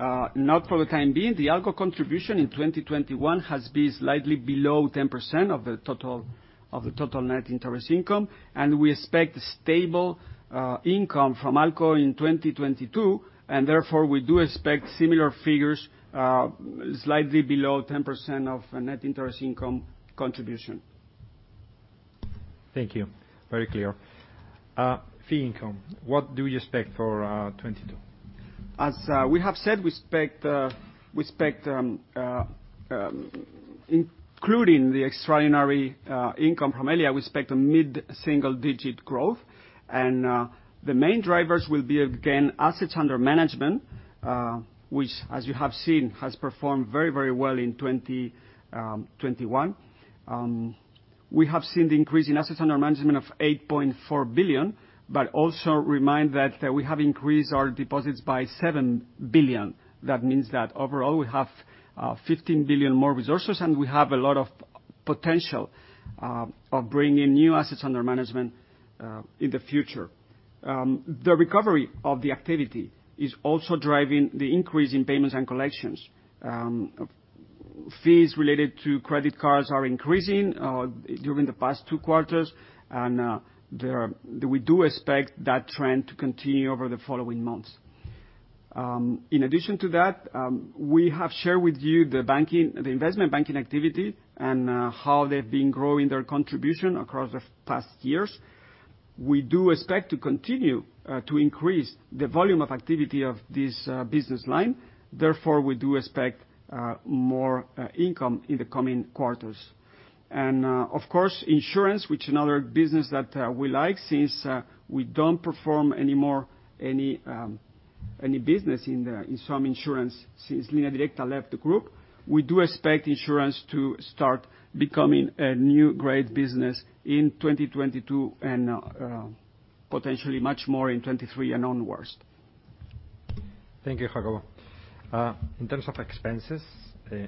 S2: Not for the time being. The ALCO contribution in 2021 has been slightly below 10% of the total net interest income, and we expect stable income from ALCO in 2022. Therefore, we do expect similar figures, slightly below 10% of net interest income contribution.
S1: Thank you. Very clear. Fee income, what do you expect for 2022?
S2: As we have said, we expect, including the extraordinary income from Helia, a mid-single digit growth. The main drivers will be, again, assets under management, which as you have seen, has performed very, very well in 2021. We have seen the increase in assets under management of 8.4 billion, but also remind that we have increased our deposits by 7 billion. That means that overall, we have 15 billion more resources, and we have a lot of potential of bringing new assets under management in the future. The recovery of the activity is also driving the increase in Payments and Collections. Fees related to credit cards are increasing during the past two quarters, and there we do expect that trend to continue over the following months. In addition to that, we have shared with you the banking, the investment banking activity and how they've been growing their contribution across the past years. We do expect to continue to increase the volume of activity of this business line, therefore, we do expect more income in the coming quarters. Of course, insurance, which another business that we like since we don't perform anymore any business in the insurance since Línea Directa left the group. We do expect insurance to start becoming a new great business in 2022 and potentially much more in 2023 and onwards.
S1: Thank you, Jacobo. In terms of expenses,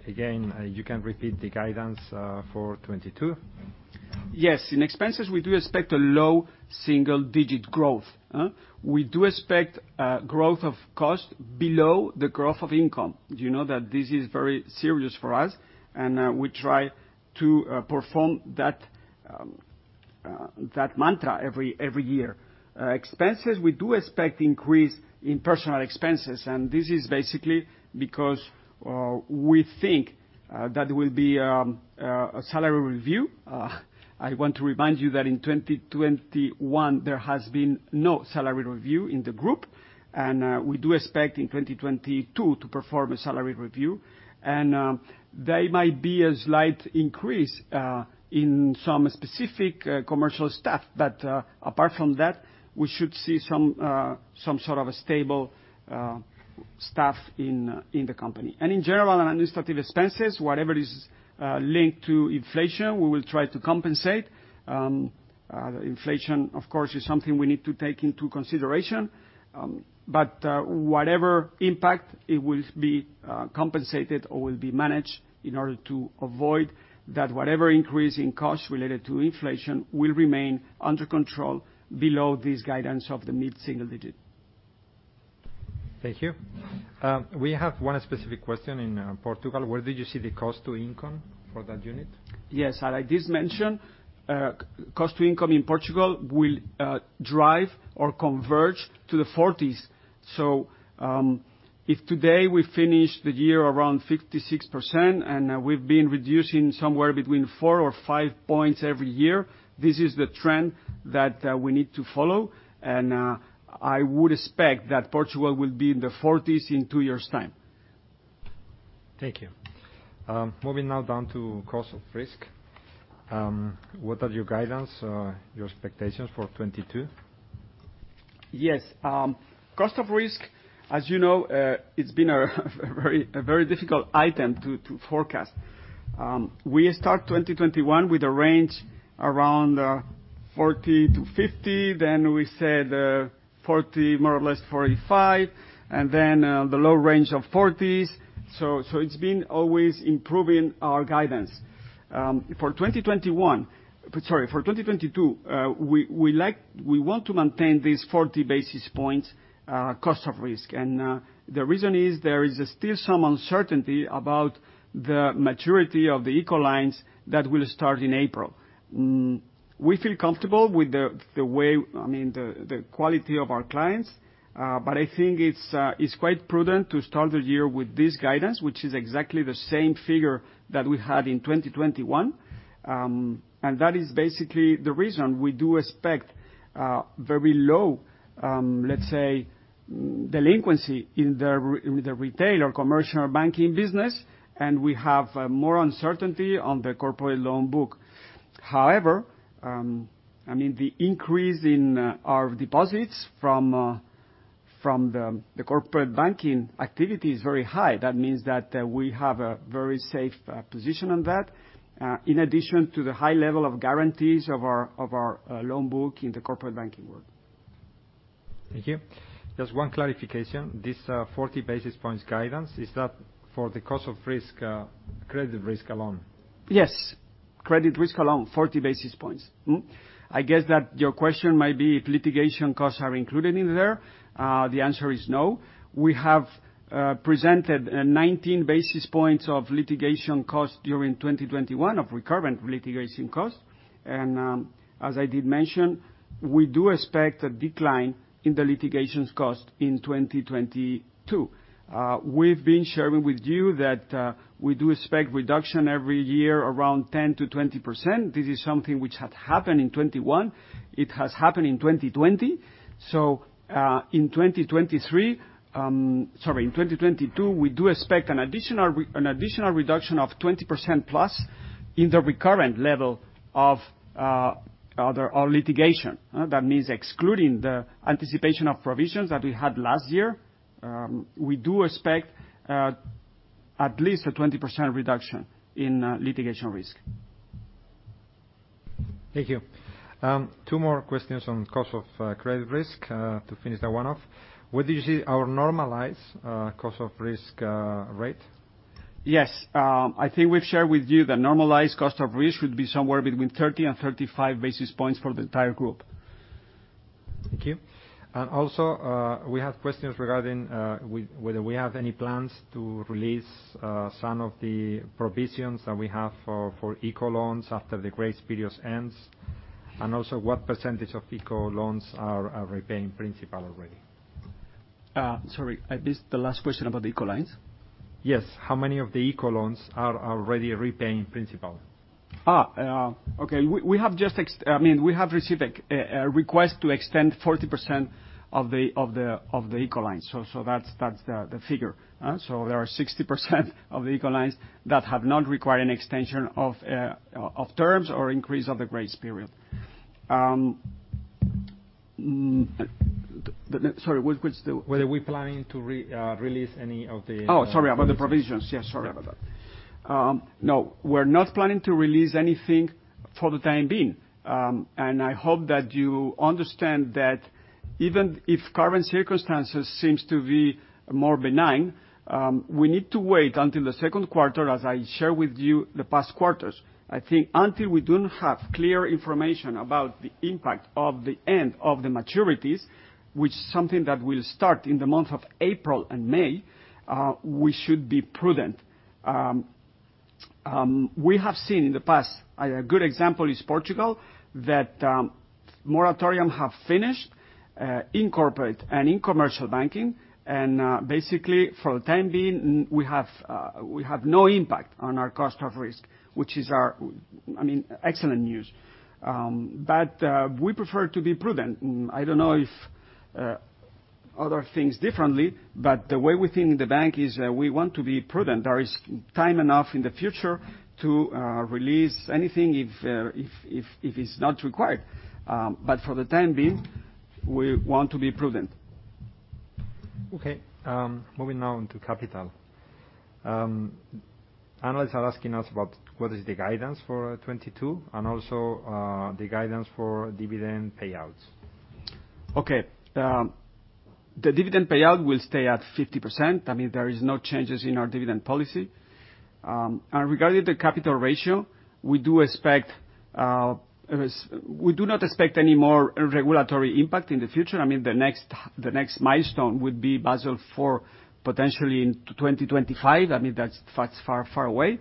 S1: again, you can repeat the guidance for 2022.
S2: Yes. In expenses, we do expect a low single-digit growth. We do expect growth of cost below the growth of income. Do you know that this is very serious for us, and we try to perform that mantra every year. Expenses, we do expect increase in personal expenses, and this is basically because we think that will be a salary review. I want to remind you that in 2021, there has been no salary review in the group, and we do expect in 2022 to perform a salary review. There might be a slight increase in some specific commercial staff. But apart from that, we should see some sort of a stable staff in the company. In general, administrative expenses, whatever is linked to inflation, we will try to compensate. Inflation, of course, is something we need to take into consideration. Whatever impact, it will be compensated or will be managed in order to avoid that whatever increase in costs related to inflation will remain under control below this guidance of the mid-single digit.
S1: Thank you. We have one specific question in Portugal. Where did you see the cost to income for that unit?
S2: Yes. As I just mentioned, cost to income in Portugal will drive or converge to the 40s. If today we finish the year around 56%, and we've been reducing somewhere between four or five points every year, this is the trend that we need to follow. I would expect that Portugal will be in the 40s in two years' time.
S1: Thank you. Moving now down to cost of risk. What are your guidance, your expectations for 2022?
S2: Yes. Cost of risk, as you know, it's been a very difficult item to forecast. We start 2021 with a range around 40-50. Then we said 40, more or less 45, and then the low range of 40s. It's been always improving our guidance. For 2021, sorry, for 2022, we want to maintain this 40 basis points cost of risk. The reason is there is still some uncertainty about the maturity of the ICO lines that will start in April. We feel comfortable with the way, I mean, the quality of our clients, but I think it's quite prudent to start the year with this guidance, which is exactly the same figure that we had in 2021.That is basically the reason we do expect very low, let's say, delinquency in the retail or commercial banking business, and we have more uncertainty on the corporate loan book. However, I mean, the increase in our deposits from the Corporate Banking activity is very high. That means that we have a very safe position on that, in addition to the high level of guarantees of our loan book in the Corporate Banking world.
S1: Thank you. Just one clarification, this 40 basis points guidance, is that for the cost of risk, credit risk alone?
S2: Yes. Credit risk alone, 40 basis points. I guess that your question might be if litigation costs are included in there. The answer is no. We have presented 19 basis points of litigation costs during 2021, of recurrent litigation costs. As I did mention, we do expect a decline in the litigation costs in 2022. We've been sharing with you that we do expect reduction every year around 10%-20%. This is something which had happened in 2021. It has happened in 2020. In 2023, in 2022, we do expect an additional reduction of 20% plus in the recurrent level of our litigation. That means excluding the anticipation of provisions that we had last year. We do expect at least a 20% reduction in litigation risk.
S1: Thank you. Two more questions on cost of risk to finish that one off. What do you see our normalized cost of risk rate?
S2: Yes. I think we've shared with you the normalized cost of risk would be somewhere between 30 and 35 basis points for the entire group.
S1: Thank you. Also, we have questions regarding whether we have any plans to release some of the provisions that we have for ICO loans after the grace periods ends. Also, what percentage of ICO loans are repaying principal already?
S2: Sorry, I missed the last question about the ICO loans.
S1: Yes. How many of the ICO loans are already repaying principal?
S2: We have received a request to extend 40% of the ICO loans. That's the figure. There are 60% of the ICO loans that have not required an extension of terms or increase of the grace period. Sorry, what's the-
S1: Whether we're planning to release any of the
S2: Oh, sorry. About the provisions. Yes, sorry about that. No, we're not planning to release anything for the time being. I hope that you understand that even if current circumstances seems to be more benign, we need to wait until the second quarter, as I share with you the past quarters. I think until we don't have clear information about the impact of the end of the maturities, which something that will start in the month of April and May, we should be prudent. We have seen in the past, a good example is Portugal, that moratorium have finished in corporate and in commercial banking. Basically, for the time being, we have no impact on our cost of risk, which is our, I mean, excellent news. We prefer to be prudent. I don't know if other things differently, but the way we think in the bank is we want to be prudent. There is time enough in the future to release anything if it's not required. For the time being, we want to be prudent.
S1: Okay. Moving on to capital. Analysts are asking us about what is the guidance for 2022 and also the guidance for dividend payouts.
S2: Okay. The dividend payout will stay at 50%. I mean, there is no changes in our dividend policy. Regarding the capital ratio, we do not expect any more regulatory impact in the future. I mean, the next milestone would be Basel IV, potentially in 2025. I mean, that's far away.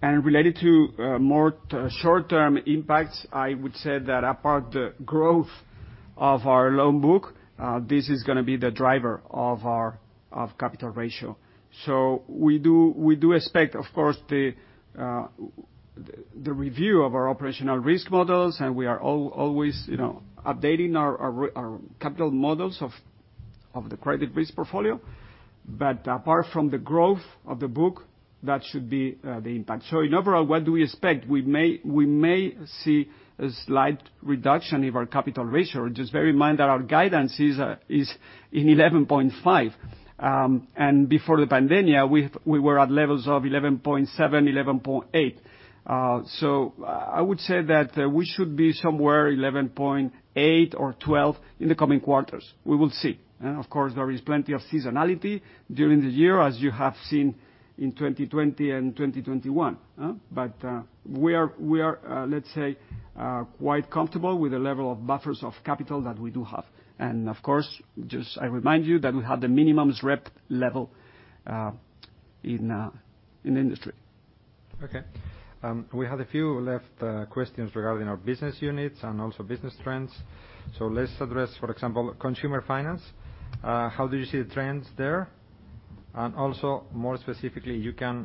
S2: Related to more short-term impacts, I would say that apart from the growth of our loan book, this is gonna be the driver of our capital ratio. We do expect, of course, the review of our operational risk models, and we are always, you know, updating our capital models of the credit risk portfolio. Apart from the growth of the book, that should be the impact. Overall, what do we expect? We may see a slight reduction in our capital ratio. Just bear in mind that our guidance is 11.5%. And before the pandemic, we were at levels of 11.7%, 11.8%. I would say that we should be somewhere 11.8% or 12% in the coming quarters. We will see. Of course, there is plenty of seasonality during the year, as you have seen in 2020 and 2021. We are, let's say, quite comfortable with the level of buffers of capital that we do have. And of course, just to remind you that we have the minimum regulatory level in the industry.
S1: Okay. We had a few left questions regarding our business units and also business trends. Let's address, for example, consumer finance. How do you see the trends there? And also, more specifically, you can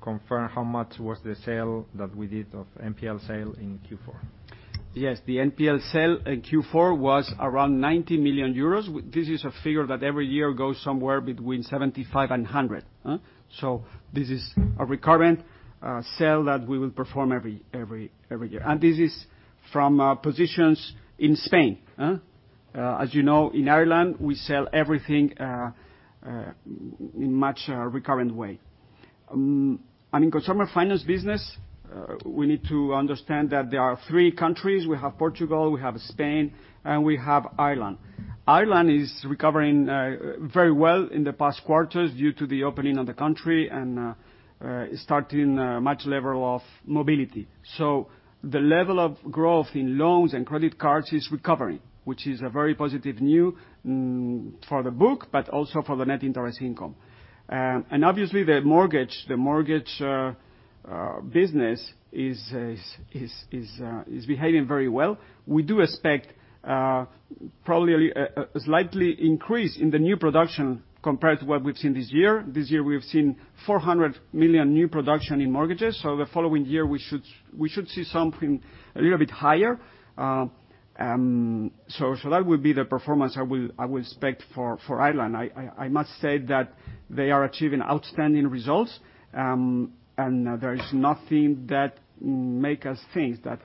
S1: confirm how much was the sale that we did of NPL sale in Q4.
S2: Yes. The NPL sale in Q4 was around 90 million euros. This is a figure that every year goes somewhere between 75 million and 100 million. This is a recurrent sale that we will perform every year. This is from positions in Spain. As you know, in Ireland, we sell everything in a much recurrent way. In consumer finance business, we need to understand that there are three countries. We have Portugal, we have Spain, and we have Ireland. Ireland is recovering very well in the past quarters due to the opening of the country and starting a much higher level of mobility. The level of growth in loans and credit cards is recovering, which is a very positive news for the book, but also for the net interest income. Obviously the mortgage business is behaving very well. We do expect probably a slight increase in the new production compared to what we've seen this year. This year, we've seen 400 million new production in mortgages. The following year we should see something a little bit higher. That would be the performance I will expect for Ireland. I must say that they are achieving outstanding results, and there is nothing that makes us think that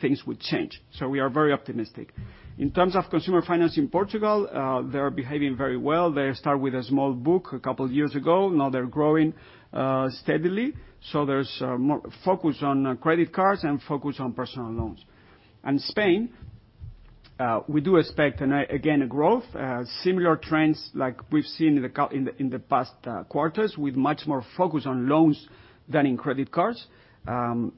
S2: things would change. We are very optimistic. In terms of consumer finance in Portugal, they're behaving very well. They started with a small book a couple years ago, now they're growing steadily. There's more focus on credit cards and focus on personal loans. Spain, we do expect again a growth. Similar trends like we've seen in the past quarters, with much more focus on loans than in credit cards, and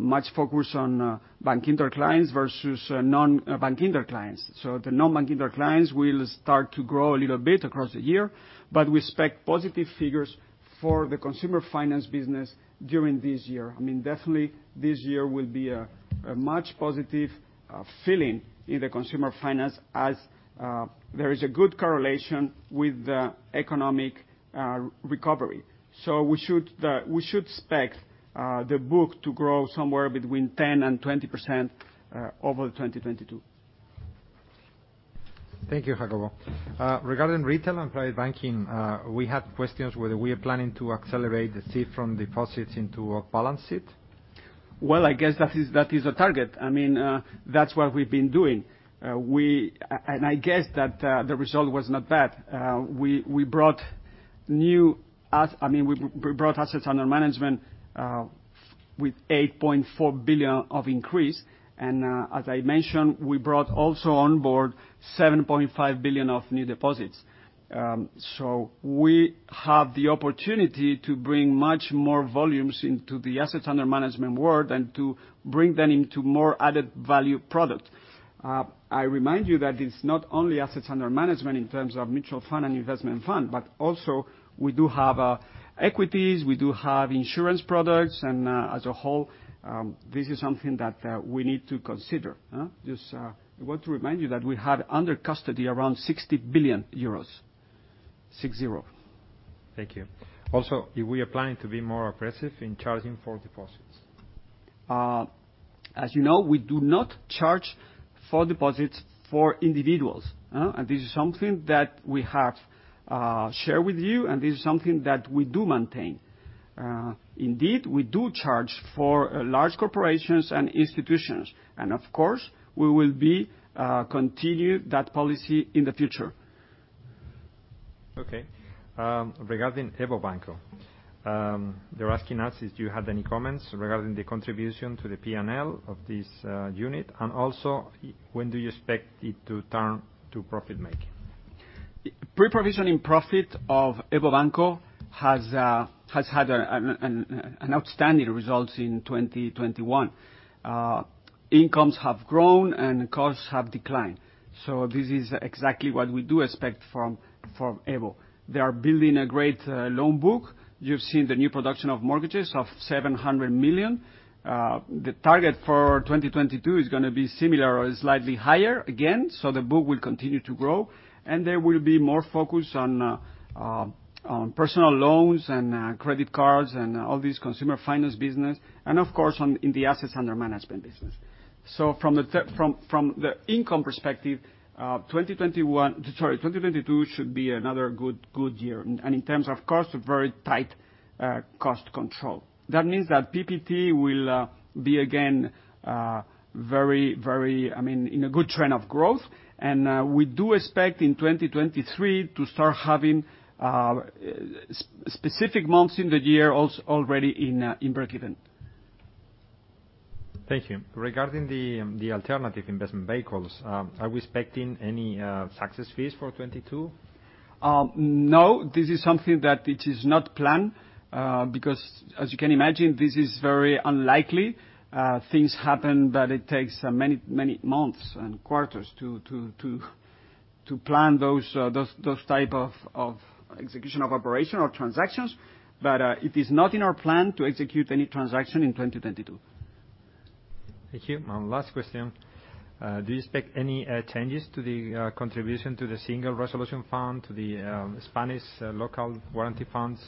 S2: much focus on Bankinter clients versus non-Bankinter clients. The non-Bankinter clients will start to grow a little bit across the year, but we expect positive figures for the consumer finance business during this year. I mean, definitely this year will be a much positive feeling in the consumer finance as there is a good correlation with the economic recovery. We should expect the book to grow somewhere between 10%-20% over 2022.
S1: Thank you, Jacobo. Regarding Retail and Private banking, we had questions whether we are planning to accelerate the shift from deposits into a balance sheet.
S2: Well, I guess that is a target. I mean, that's what we've been doing. I guess that the result was not bad. We brought assets under management with 8.4 billion of increase. As I mentioned, we brought also on board 7.5 billion of new deposits. We have the opportunity to bring much more volumes into the assets under management world and to bring them into more added value product. I remind you that it's not only assets under management in terms of mutual fund and investment fund, but also we do have equities, we do have insurance products, and as a whole, this is something that we need to consider, huh? Just, I want to remind you that we have under custody around 60 billion euros. Six zero.
S1: Thank you. Also, if we are planning to be more aggressive in charging for deposits.
S2: As you know, we do not charge for deposits for individuals. This is something that we have shared with you, and this is something that we do maintain. Indeed, we do charge for large corporations and institutions, and of course, we will be continue that policy in the future.
S1: Okay. Regarding EVO Banco, they're asking us is, do you have any comments regarding the contribution to the P&L of this unit, and also, when do you expect it to turn to profit making?
S2: Pre-provision profit of EVO Banco has had an outstanding results in 2021. Incomes have grown and costs have declined. This is exactly what we do expect from EVO. They are building a great loan book. You've seen the new production of mortgages of 700 million. The target for 2022 is gonna be similar or slightly higher, again, so the book will continue to grow. There will be more focus on personal loans and credit cards and all these consumer finance business and of course on the assets under management business. From the income perspective, 2022 should be another good year. In terms of cost, very tight cost control. That means that PPT will be again very, I mean, in a good trend of growth. We do expect in 2023 to start having specific months in the year already in breakeven.
S1: Thank you. Regarding the alternative investment vehicles, are we expecting any success fees for 2022?
S2: No, this is something that it is not planned, because as you can imagine, this is very unlikely. Things happen that it takes many months and quarters to plan those type of execution of operation or transactions. It is not in our plan to execute any transaction in 2022.
S1: Thank you. My last question, do you expect any changes to the contribution to the Single Resolution Fund, to the Spanish Deposit Guarantee Fund?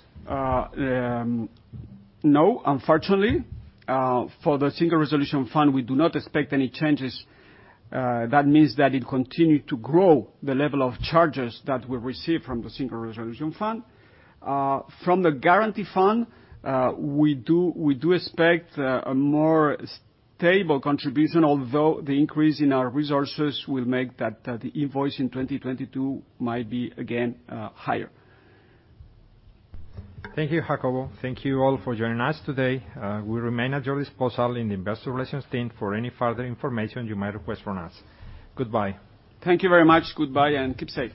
S2: No, unfortunately. For the Single Resolution Fund, we do not expect any changes. That means that it continues to grow the level of charges that we receive from the Single Resolution Fund. From the guarantee fund, we do expect a more stable contribution, although the increase in our resources will make that the invoice in 2022 might be again higher.
S1: Thank you, Jacobo. Thank you all for joining us today. We remain at your disposal in the investor relations team for any further information you might request from us. Goodbye.
S2: Thank you very much. Goodbye, and keep safe.